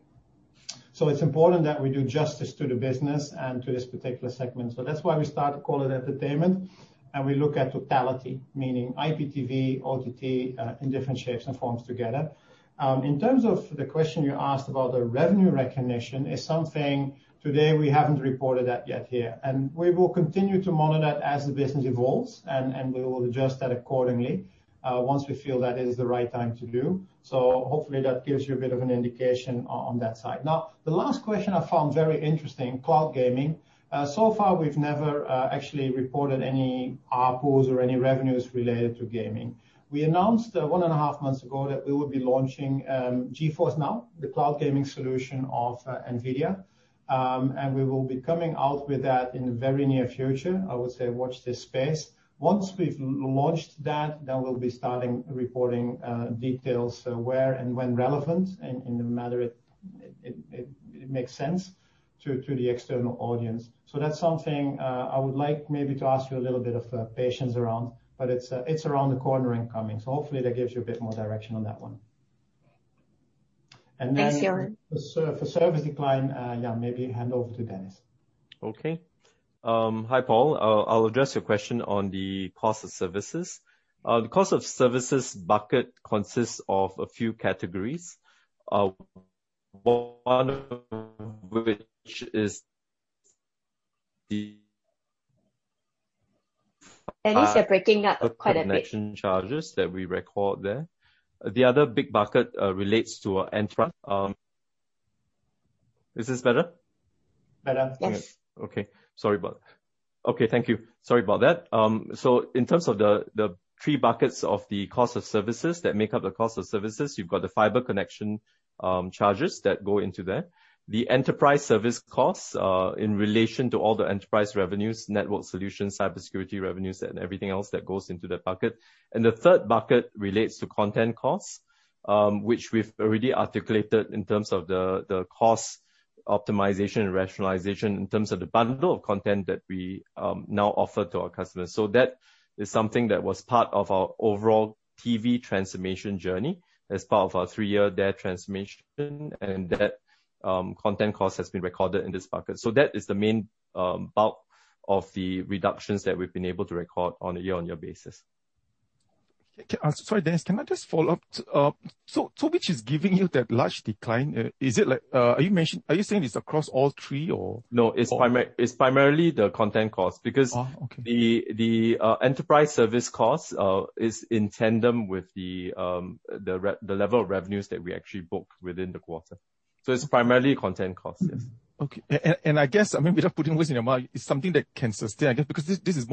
It's important that we do justice to the business and to this particular segment. That's why we start to call it entertainment, and we look at totality, meaning IPTV, OTT, in different shapes and forms together. In terms of the question you asked about the revenue recognition is something today we haven't reported that yet here. We will continue to monitor that as the business evolves, and we will adjust that accordingly, once we feel that is the right time to do. Hopefully, that gives you a bit of an indication on that side. The last question I found very interesting, cloud gaming. So far, we've never actually reported any ARPUs or any revenues related to gaming. We announced 1.5 months ago that we would be launching GeForce NOW, the cloud gaming solution of NVIDIA. We will be coming out with that in the very near future. I would say watch this space. Once we've launched that, we'll be starting reporting details where and when relevant and in the matter it makes sense to the external audience. That's something I would like maybe to ask you a little of patience around. It's around the corner and coming. Hopefully, that gives you a bit more direction on that one. Thanks, Johan. For service decline, yeah, maybe hand over to Dennis. Okay. Hi, Paul. I will address your question on the cost of services. The cost of services bucket consists of a few categories. Dennis, you're breaking up quite a bit. One of which is fiber connection charges that we record there. The other big bucket relates to our enterprise. Is this better? Better. Yes. Okay. Thank you. Sorry about that. In terms of the third buckets of the cost of services that make up the cost of services, you've got the fiber connection charges that go into there, the Enterprise service costs in relation to all the Enterprise revenues, network solutions, cybersecurity revenues, and everything else that goes into that bucket. The third bucket relates to content costs, which we've already articulated in terms of the cost optimization and rationalization in terms of the bundle of content that we now offer to our customers. That is something that was part of our overall TV transformation journey as part of our three-year DARE transformation, and that content cost has been recorded in this bucket. That is the main bulk of the reductions that we've been able to record on a year-on-year basis. Sorry, Dennis. Can I just follow up? Which is giving you that large decline? Are you saying it's across all three or all? No, it's primarily the content cost because. Oh, okay. the enterprise service cost is in tandem with the level of revenues that we actually book within the quarter. It's primarily content costs, yes. Okay. I guess, without putting words in your mouth, it's something that can sustain, I guess, because this is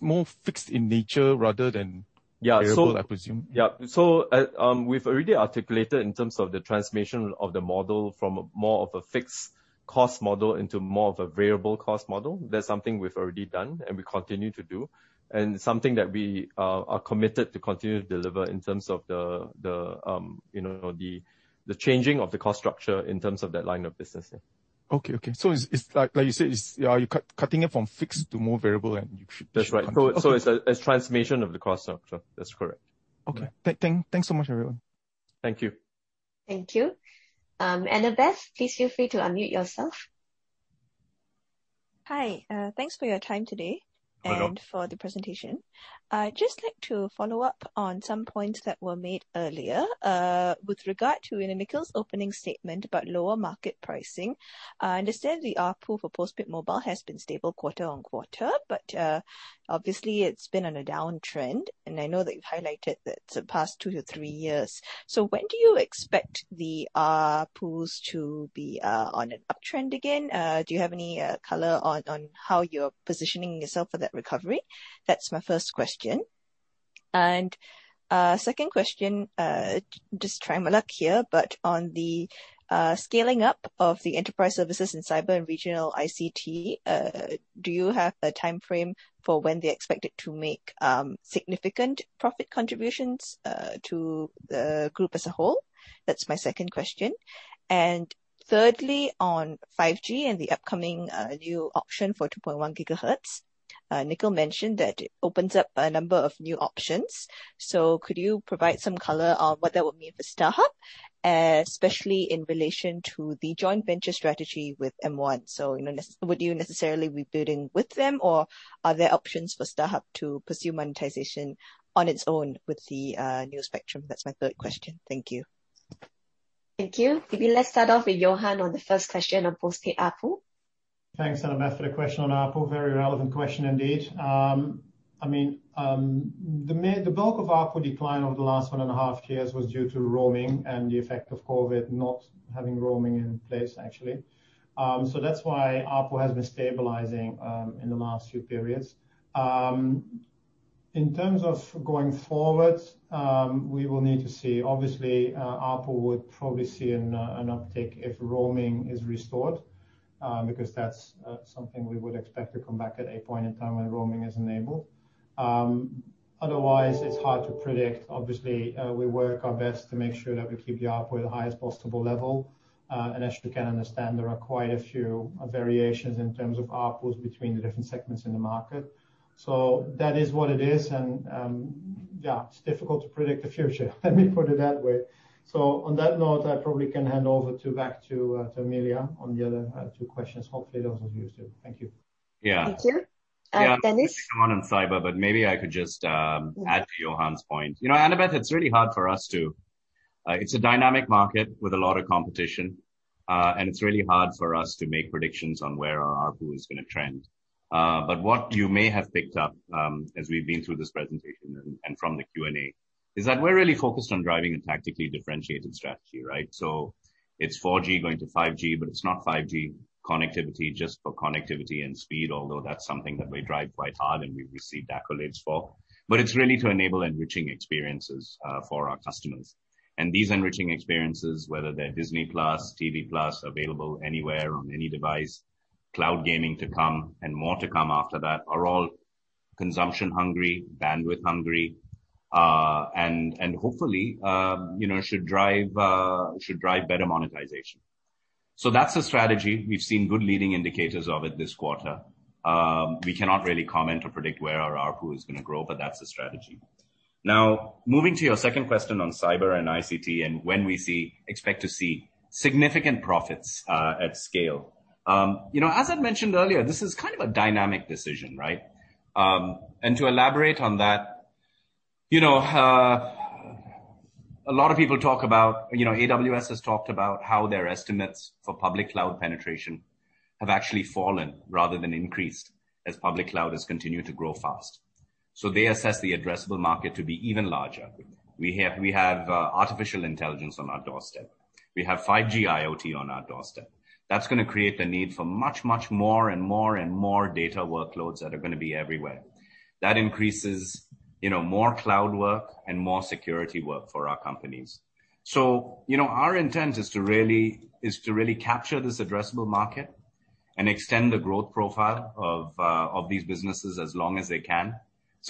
more fixed in nature rather than. Yeah. Variable, I presume. We've already articulated in terms of the transformation of the model from more of a fixed cost model into more of a variable cost model. That's something we've already done and we continue to do, and something that we are committed to continue to deliver in terms of the changing of the cost structure in terms of that line of business. Okay. It's like you said, you are cutting it from fixed to more variable end, you should- That's right. Okay. It's transformation of the cost structure. That's correct. Okay. Thanks so much, everyone. Thank you. Thank you. Annabeth, please feel free to unmute yourself. Hi. Thanks for your time today. Hello. For the presentation. I'd just like to follow up on some points that were made earlier. With regard to Nikhil's opening statement about lower market pricing, I understand the ARPU for post-paid mobile has been stable quarter-on-quarter, but obviously it's been on a downtrend, and I know that you've highlighted that the past two to three years. When do you expect the ARPUs to be on an uptrend again? Do you have any color on how you're positioning yourself for that recovery? That's my first question. Second question, just try my luck here, but on the scaling up of the enterprise services in cyber and regional ICT, do you have a timeframe for when they're expected to make significant profit contributions to the group as a whole? That's my second question. Thirdly, on 5G and the upcoming new auction for 2.1 GHz. Nikhil mentioned that it opens up a number of new options. Could you provide some color on what that would mean for StarHub? Especially in relation to the joint venture strategy with M1. Would you necessarily be bidding with them, or are there options for StarHub to pursue monetization on its own with the new spectrum? That's my third question. Thank you. Thank you. Maybe let's start off with Johan on the first question on post-paid ARPU. Thanks, Annabeth, for the question on ARPU. Very relevant question indeed. The bulk of ARPU decline over the last one and a half years was due to roaming and the effect of COVID not having roaming in place, actually. That's why ARPU has been stabilizing in the last few periods. In terms of going forward, we will need to see. Obviously, ARPU would probably see an uptick if roaming is restored, because that's something we would expect to come back at a point in time when roaming is enabled. Otherwise, it's hard to predict. Obviously, we work our best to make sure that we keep the ARPU at the highest possible level. As you can understand, there are quite a few variations in terms of ARPUs between the different segments in the market. That is what it is, and, yeah, it's difficult to predict the future let me put it that way. On that note, I probably can hand over back to Amelia on the other two questions. Hopefully, those are easier. Thank you. Yeah. Thank you. Yeah. Dennis? I'll touch more on fiber, but maybe I could just add to Johan's point. Annabeth, it's a dynamic market with a lot of competition, and it's really hard for us to make predictions on where our ARPU is going to trend. What you may have picked up, as we've been through this presentation and from the Q&A, is that we're really focused on driving a tactically differentiated strategy, right? It's 4G going to 5G, but it's not 5G connectivity just for connectivity and speed, although that's something that we drive quite hard and we receive accolades for. It's really to enable enriching experiences for our customers. These enriching experiences, whether they're Disney+, TV+, available anywhere on any device, cloud gaming to come and more to come after that, are all consumption hungry, bandwidth hungry. Hopefully, should drive better monetization. That's the strategy. We've seen good leading indicators of it this quarter. We cannot really comment or predict where our ARPU is going to grow, but that's the strategy. Moving to your second question on cyber and ICT and when we expect to see significant profits at scale. As I mentioned earlier, this is a dynamic decision, right? To elaborate on that, a lot of people talk about AWS has talked about how their estimates for public cloud penetration have actually fallen rather than increased as public cloud has continued to grow fast. They assess the addressable market to be even larger. We have artificial intelligence on our doorstep. We have 5G IoT on our doorstep. That's going to create the need for much more and more and more data workloads that are going to be everywhere. That increases more cloud work and more security work for our companies. Our intent is to really capture this addressable market and extend the growth profile of these businesses as long as they can.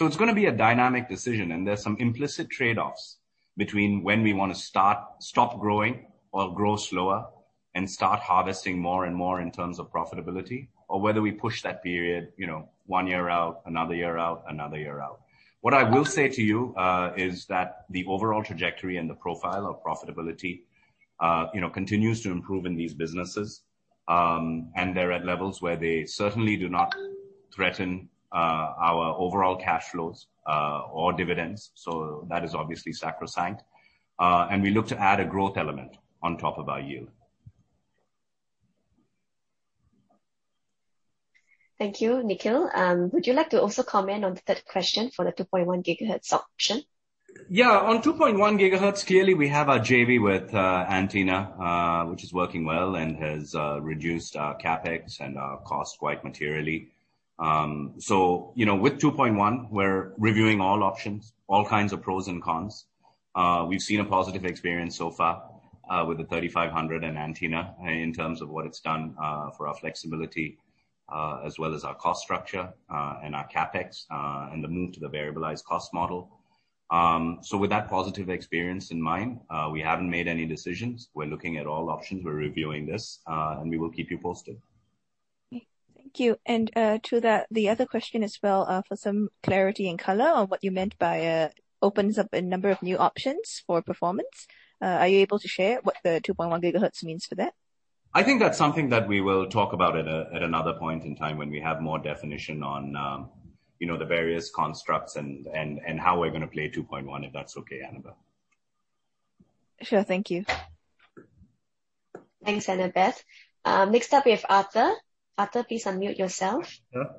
It's going to be a dynamic decision, and there's some implicit trade-offs between when we want to stop growing or grow slower and start harvesting more and more in terms of profitability, or whether we push that period one year out, another year out, another year out. What I will say to you is that the overall trajectory and the profile of profitability continues to improve in these businesses. They're at levels where they certainly do not threaten our overall cash flows or dividends. That is obviously sacrosanct. We look to add a growth element on top of our yield. Thank you, Nikhil. Would you like to also comment on the third question for the 2.1 GHz option? On 2.1 GHz, clearly, we have our JV with Antina which is working well and has reduced our CapEx and our costs quite materially. With 2.1, we're reviewing all options, all kinds of pros and cons. We've seen a positive experience so far with the 3500 MHz and Antina in terms of what it's done for our flexibility as well as our cost structure, and our CapEx, and the move to the variabilized cost model. With that positive experience in mind, we haven't made any decisions. We're looking at all options. We're reviewing this, and we will keep you posted. Thank you. To that, the other question as well, for some clarity and color on what you meant by, "opens up a number of new options for performance." Are you able to share what the 2.1 GHz means for that? I think that is something that we will talk about at another point in time when we have more definition on the various constructs and how we are going to play 2.1, if that is okay, Annabethe. Sure. Thank you. Thanks, Annabeth. Next up, we have Arthur. Arthur, please unmute yourself. Sure.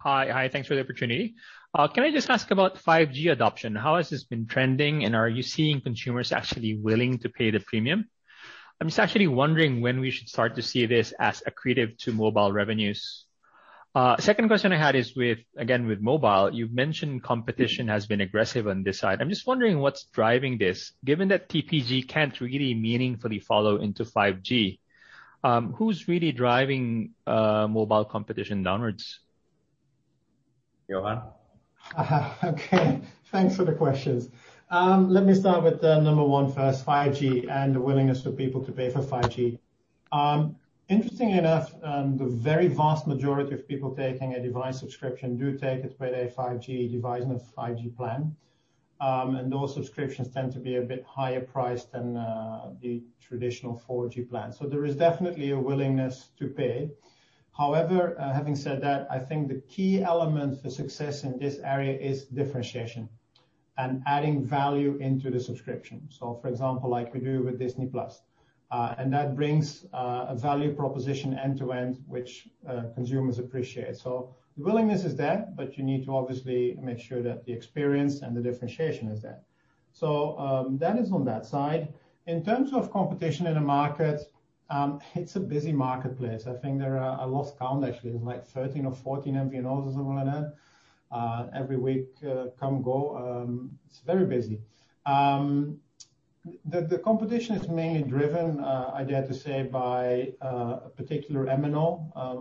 Hi. Thanks for the opportunity. Can I just ask about 5G adoption? How has this been trending, and are you seeing consumers actually willing to pay the premium? I'm just actually wondering when we should start to see this as accretive to mobile revenues. Second question I had is, again, with mobile. You've mentioned competition has been aggressive on this side. I'm just wondering what's driving this. Given that TPG can't really meaningfully follow into 5G, who's really driving mobile competition downwards? Johan? Okay. Thanks for the questions. Let me start with number one first, 5G and the willingness for people to pay for 5G. Interestingly enough, the very vast majority of people taking a device subscription do take it with a 5G device and a 5G plan. Those subscriptions tend to be a bit higher priced than the traditional 4G plan. There is definitely a willingness to pay. However, having said that, I think the key element for success in this area is differentiation and adding value into the subscription. For example, like we do with Disney+. That brings a value proposition end to end, which consumers appreciate. The willingness is there, but you need to obviously make sure that the experience and the differentiation is there. That is on that side. In terms of competition in the market, it's a busy marketplace. I think there are, I lost count actually. There's 13 or 14 MVNOs or something like that. Every week, come, go. It's very busy. The competition is mainly driven, I dare to say, by a particular MNO,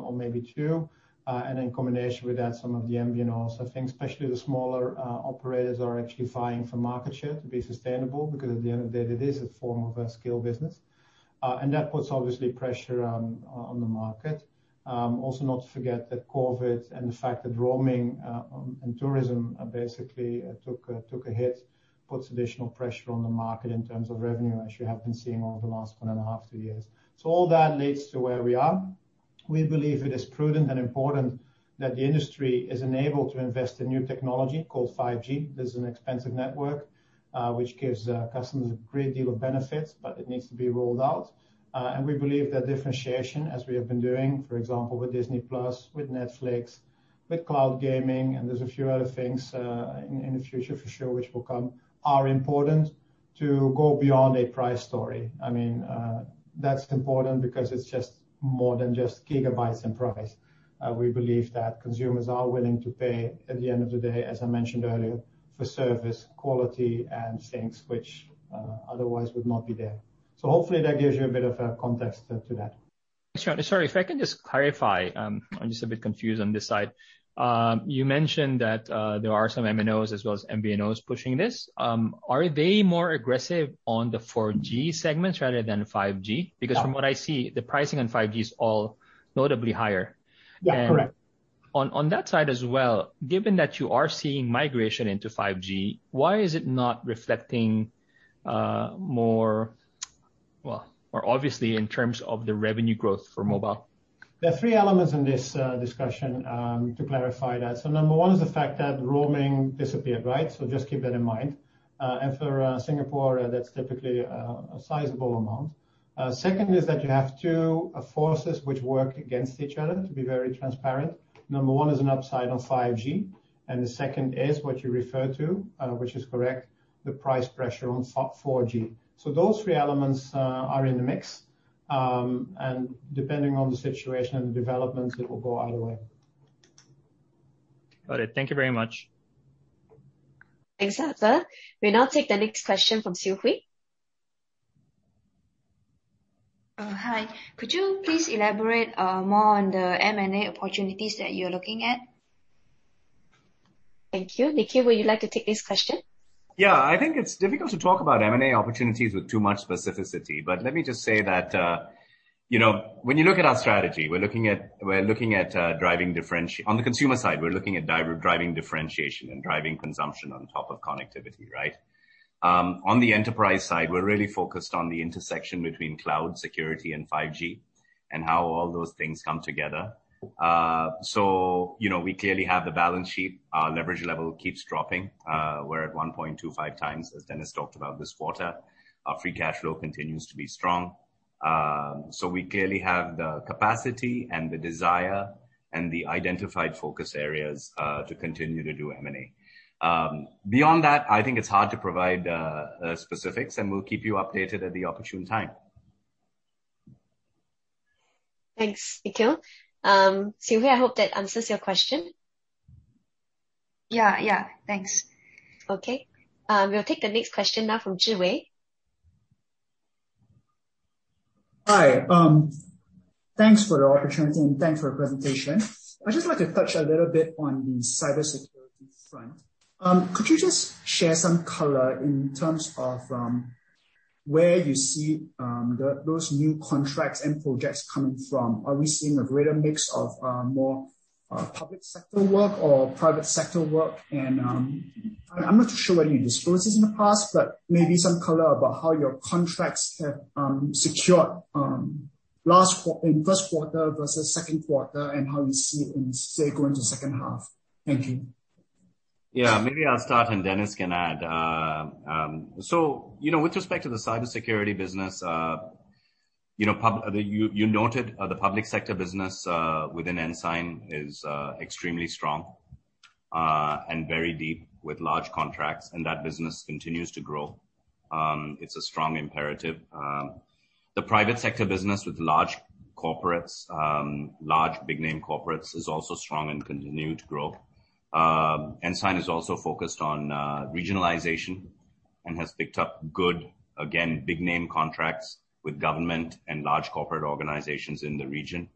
or maybe two, and in combination with that, some of the MVNOs. Things, especially the smaller operators, are actually vying for market share to be sustainable because at the end of the day, it is a form of a scale business. That puts obviously pressure on the market. Also, not to forget that COVID and the fact that roaming and tourism basically took a hit, puts additional pressure on the market in terms of revenue, as you have been seeing over the last one and a half, two years. All that leads to where we are. We believe it is prudent and important that the industry is enabled to invest in new technology called 5G. This is an expensive network, which gives customers a great deal of benefits, but it needs to be rolled out. We believe that differentiation, as we have been doing, for example, with Disney+, with Netflix, with cloud gaming, and there's a few other things in the future for sure which will come, are important to go beyond a price story. That's important because it's just more than just gigabytes and price. We believe that consumers are willing to pay at the end of the day, as I mentioned earlier, for service, quality, and things which otherwise would not be there. Hopefully that gives you a bit of a context to that. Sorry, if I can just clarify, I'm just a bit confused on this side. You mentioned that there are some MNOs as well as MVNOs pushing this. Are they more aggressive on the 4G segments rather than 5G? From what I see, the pricing on 5G is all notably higher. Yeah, correct. On that side as well, given that you are seeing migration into 5G, why is it not reflecting more obviously in terms of the revenue growth for mobile? There are three elements in this discussion to clarify that. Number one is the fact that roaming disappeared, right? Just keep that in mind. For Singapore, that's typically a sizable amount. Second is that you have two forces which work against each other, to be very transparent. Number one is an upside on 5G, and the second is what you refer to, which is correct, the price pressure on 4G. Those three elements are in the mix. Depending on the situation and the developments, it will go either way. Got it. Thank you very much. Thanks, Arthur. We now take the next question from Xiu Hooi. Hi. Could you please elaborate more on the M&A opportunities that you're looking at? Thank you. Nikhil, would you like to take this question? Yeah. I think it's difficult to talk about M&A opportunities with too much specificity. Let me just say that when you look at our strategy, on the consumer side, we're looking at driving differentiation and driving consumption on top of connectivity, right? On the enterprise side, we're really focused on the intersection between cloud security and 5G and how all those things come together. We clearly have the balance sheet. Our leverage level keeps dropping. We're at 1.25 times, as Dennis talked about this quarter. Our free cash flow continues to be strong. We clearly have the capacity and the desire and the identified focus areas to continue to do M&A. Beyond that, I think it's hard to provide specifics, and we'll keep you updated at the opportune time. Thanks, Nikhil. I hope that answers your question. Yeah. Thanks. Okay. We'll take the next question now from Zhi Wei. Hi. Thanks for the opportunity and thanks for the presentation. I'd just like to touch a little bit on the cybersecurity front. Could you just share some color in terms of where you see those new contracts and projects coming from? Are we seeing a greater mix of more public sector work or private sector work? I'm not too sure whether you disclosed this in the past, but maybe some color about how your contracts have secured in first quarter versus second quarter, and how you see it say, going into second half. Thank you. Yeah. Maybe I'll start and Dennis can add. With respect to the cybersecurity business, you noted the public sector business within Ensign is extremely strong and very deep with large contracts, and that business continues to grow. It's a strong imperative. The private sector business with large corporates, large big-name corporates, is also strong and continue to grow. Ensign is also focused on regionalization and has picked up good, again, big name contracts with government and large corporate organizations in the region.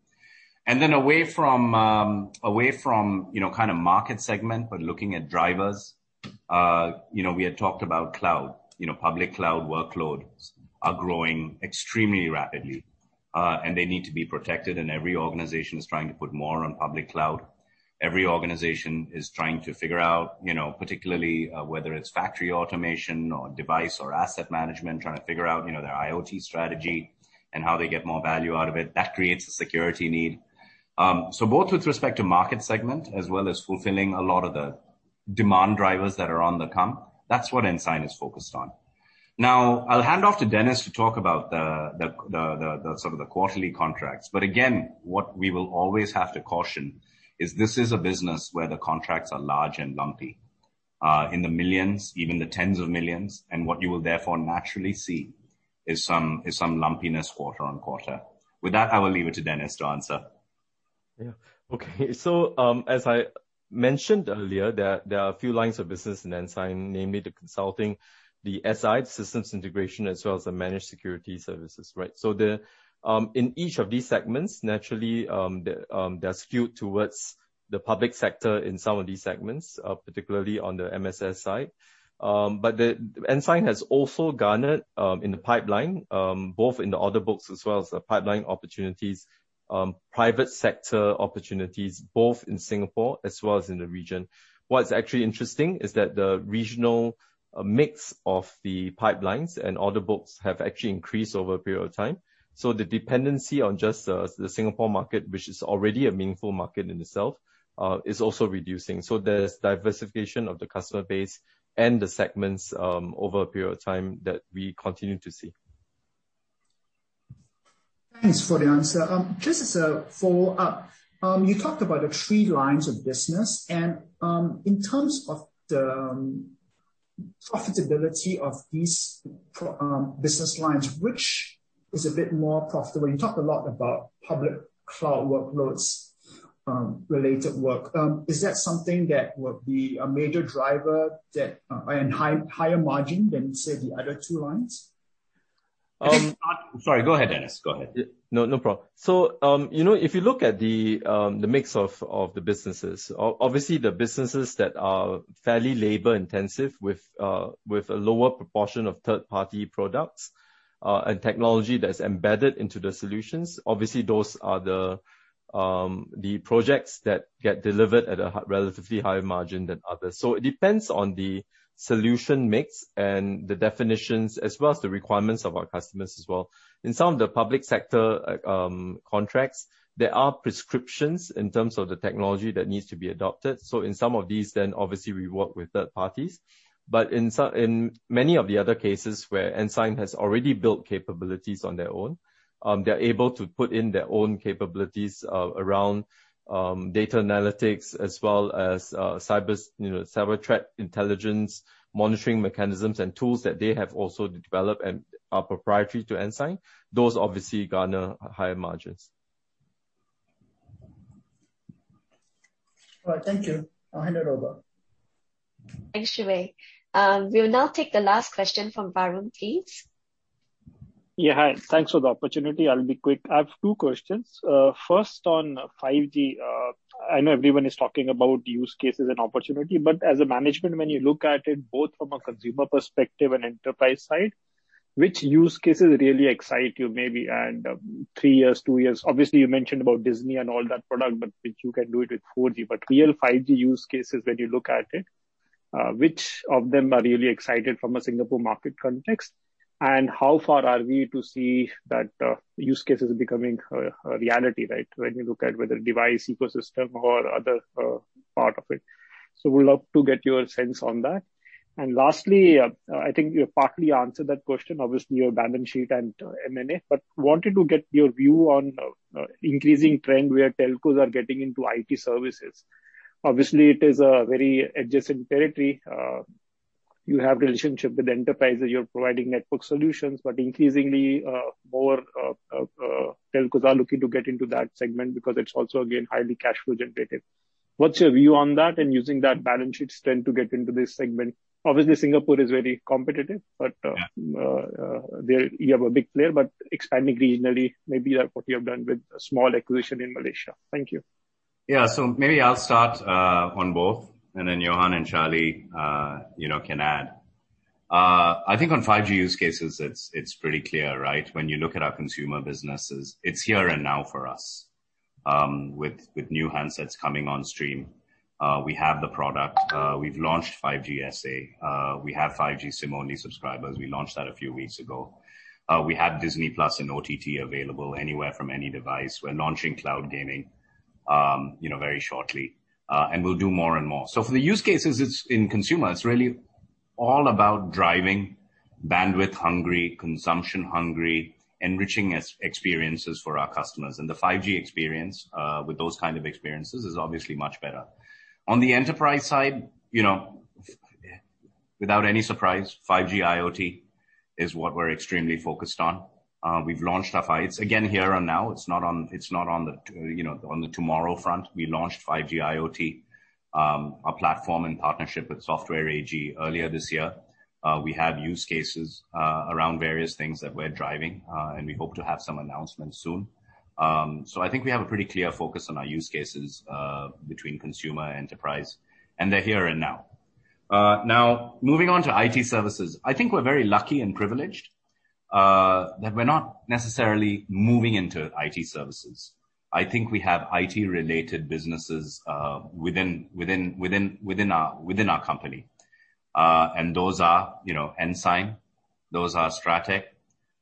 Then away from kind of market segment, but looking at drivers, we had talked about cloud. Public cloud workloads are growing extremely rapidly, and they need to be protected and every organization is trying to put more on public cloud. Every organization is trying to figure out, particularly whether it's factory automation or device or asset management, trying to figure out their IoT strategy and how they get more value out of it. That creates a security need. Both with respect to market segment as well as fulfilling a lot of the demand drivers that are on the come, that's what Ensign is focused on. I'll hand off to Dennis to talk about the sort of the quarterly contracts. What we will always have to caution is this is a business where the contracts are large and lumpy, in the millions, even the tens of millions, and what you will therefore naturally see is some lumpiness quarter on quarter. With that, I will leave it to Dennis to answer. Okay. As I mentioned earlier, there are a few lines of business in Ensign, namely the consulting, the SI, systems integration, as well as the managed security services, right? In each of these segments, naturally, they're skewed towards the public sector in some of these segments, particularly on the MSS side. Ensign has also garnered in the pipeline both in the order books as well as the pipeline opportunities, private sector opportunities, both in Singapore as well as in the region. What's actually interesting is that the regional mix of the pipelines and order books have actually increased over a period of time. The dependency on just the Singapore market, which is already a meaningful market in itself, is also reducing. There's diversification of the customer base and the segments, over a period of time that we continue to see. Thanks for the answer. Just as a follow-up. You talked about the three lines of business, and in terms of the profitability of these business lines, which is a bit more profitable? You talked a lot about public Cloud workloads, related work. Is that something that would be a major driver that, and higher margin than, say, the other two lines? Sorry, go ahead, Dennis. Go ahead. Yeah. No problem. If you look at the mix of the businesses, obviously the businesses that are fairly labor-intensive with a lower proportion of third-party products and technology that's embedded into the solutions, obviously those are the projects that get delivered at a relatively higher margin than others. It depends on the solution mix and the definitions as well as the requirements of our customers as well. In some of the public sector contracts, there are prescriptions in terms of the technology that needs to be adopted. In some of these, obviously, we work with third parties. In many of the other cases where Ensign has already built capabilities on their own, they're able to put in their own capabilities around data analytics as well as cyber threat intelligence, monitoring mechanisms, and tools that they have also developed and are proprietary to Ensign. Those obviously garner higher margins. All right. Thank you. I'll hand it over. Thanks, Zhi Wei. We will now take the last question from Varun, please. Yeah, hi. Thanks for the opportunity. I will be quick. I have two questions. First, on 5G. I know everyone is talking about use cases and opportunity, but as a management, when you look at it both from a consumer perspective and enterprise side, which use cases really excite you, maybe in three years, two years? Obviously, you mentioned about Disney+ and all that product, but which you can do it with 4G. Real 5G use cases when you look at it, which of them are really excited from a Singapore market context, and how far are we to see that use case is becoming a reality, right? When you look at whether device ecosystem or other part of it. Would love to get your sense on that. Lastly, I think you partly answered that question, obviously, your balance sheet and M&A, but wanted to get your view on increasing trend where telcos are getting into IT services. Obviously, it is a very adjacent territory. You have relationship with enterprises. You're providing network solutions. Increasingly, more telcos are looking to get into that segment because it's also, again, highly cash flow generative. What's your view on that and using that balance sheet strength to get into this segment? Obviously, Singapore is very competitive, but there you have a big player, but expanding regionally, maybe like what you have done with a small acquisition in Malaysia. Thank you. Yeah. Maybe I'll start on both, and then Johan and Charlie can add. I think on 5G use cases, it's pretty clear, right? When you look at our consumer businesses, it's here and now for us. With new handsets coming on stream. We have the product. We've launched 5G SA. We have 5G SIM-only subscribers. We launched that a few weeks ago. We have Disney+ and OTT available anywhere from any device. We're launching cloud gaming very shortly. We'll do more and more. For the use cases it's in consumer, it's really all about driving bandwidth-hungry, consumption-hungry, enriching experiences for our customers. The 5G experience, with those kind of experiences, is obviously much better. On the enterprise side, without any surprise, 5G IoT is what we're extremely focused on. It's again, here and now. It's not on the tomorrow front. We launched 5G IoT, our platform in partnership with Software AG earlier this year. We have use cases around various things that we're driving, and we hope to have some announcements soon. I think we have a pretty clear focus on our use cases, between consumer and enterprise, and they're here and now. Now, moving on to IT services. I think we're very lucky and privileged that we're not necessarily moving into IT services. I think we have IT-related businesses within our company. Those are Ensign, those are Strateq,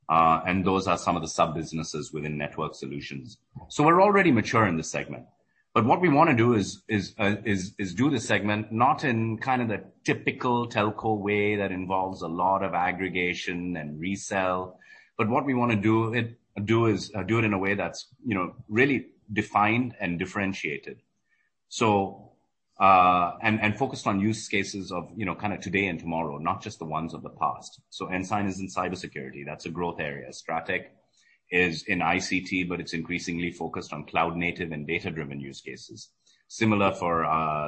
and those are some of the sub-businesses within network solutions. We're already mature in this segment. What we want to do is do the segment not in the typical telco way that involves a lot of aggregation and resell. What we want to do is do it in a way that's really defined and differentiated. Focused on use cases of today and tomorrow, not just the ones of the past. Ensign is in cybersecurity. That's a growth area. Strateq is in ICT, but it's increasingly focused on cloud native and data-driven use cases. Similar for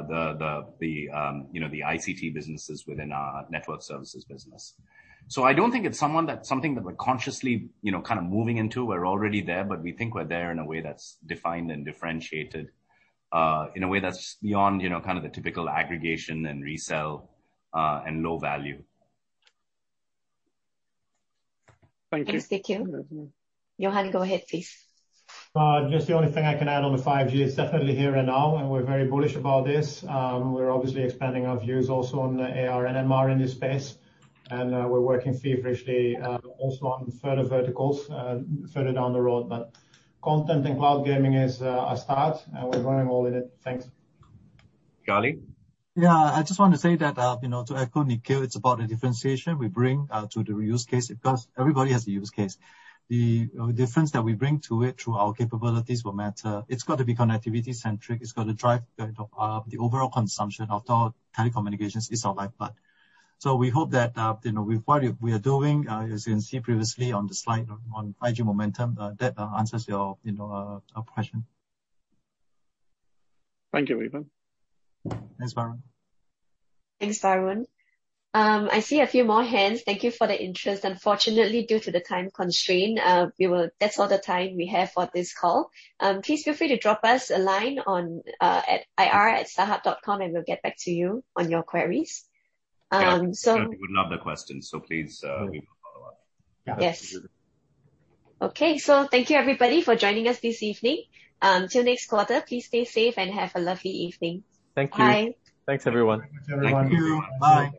the ICT businesses within our network services business. I don't think it's something that we're consciously moving into. We're already there, but we think we're there in a way that's defined and differentiated, in a way that's beyond the typical aggregation and resell, and low value. Thank you. Thanks, Nikhil. Johan, go ahead, please. The only thing I can add on the 5G, it's definitely here and now, and we're very bullish about this. We're obviously expanding our views also on the AR and MR in this space, and we're working feverishly, also on further verticals further down the road. Content and cloud gaming is a start, and we're going all in it. Thanks. Charlie? Yeah, I just want to say that, to echo Nikhil, it's about the differentiation we bring to the use case because everybody has a use case. The difference that we bring to it through our capabilities will matter. It's got to be connectivity centric. It's got to drive the overall consumption, although telecommunications is our lifeblood. We hope that with what we are doing, as you can see previously on the slide on 5G momentum, that answers your question. Thank you, Johan. Thanks, Varun. Thanks, Varun. I see a few more hands. Thank you for the interest. Unfortunately, due to the time constraint, that's all the time we have for this call. Please feel free to drop us a line at ir@starhub.com and we'll get back to you on your queries. Yeah. We love the questions. Please, we will follow up Yeah. Yes. Okay, thank you everybody for joining us this evening. Till next quarter, please stay safe and have a lovely evening. Thank you. Bye. Thanks, everyone. Thank you. Bye.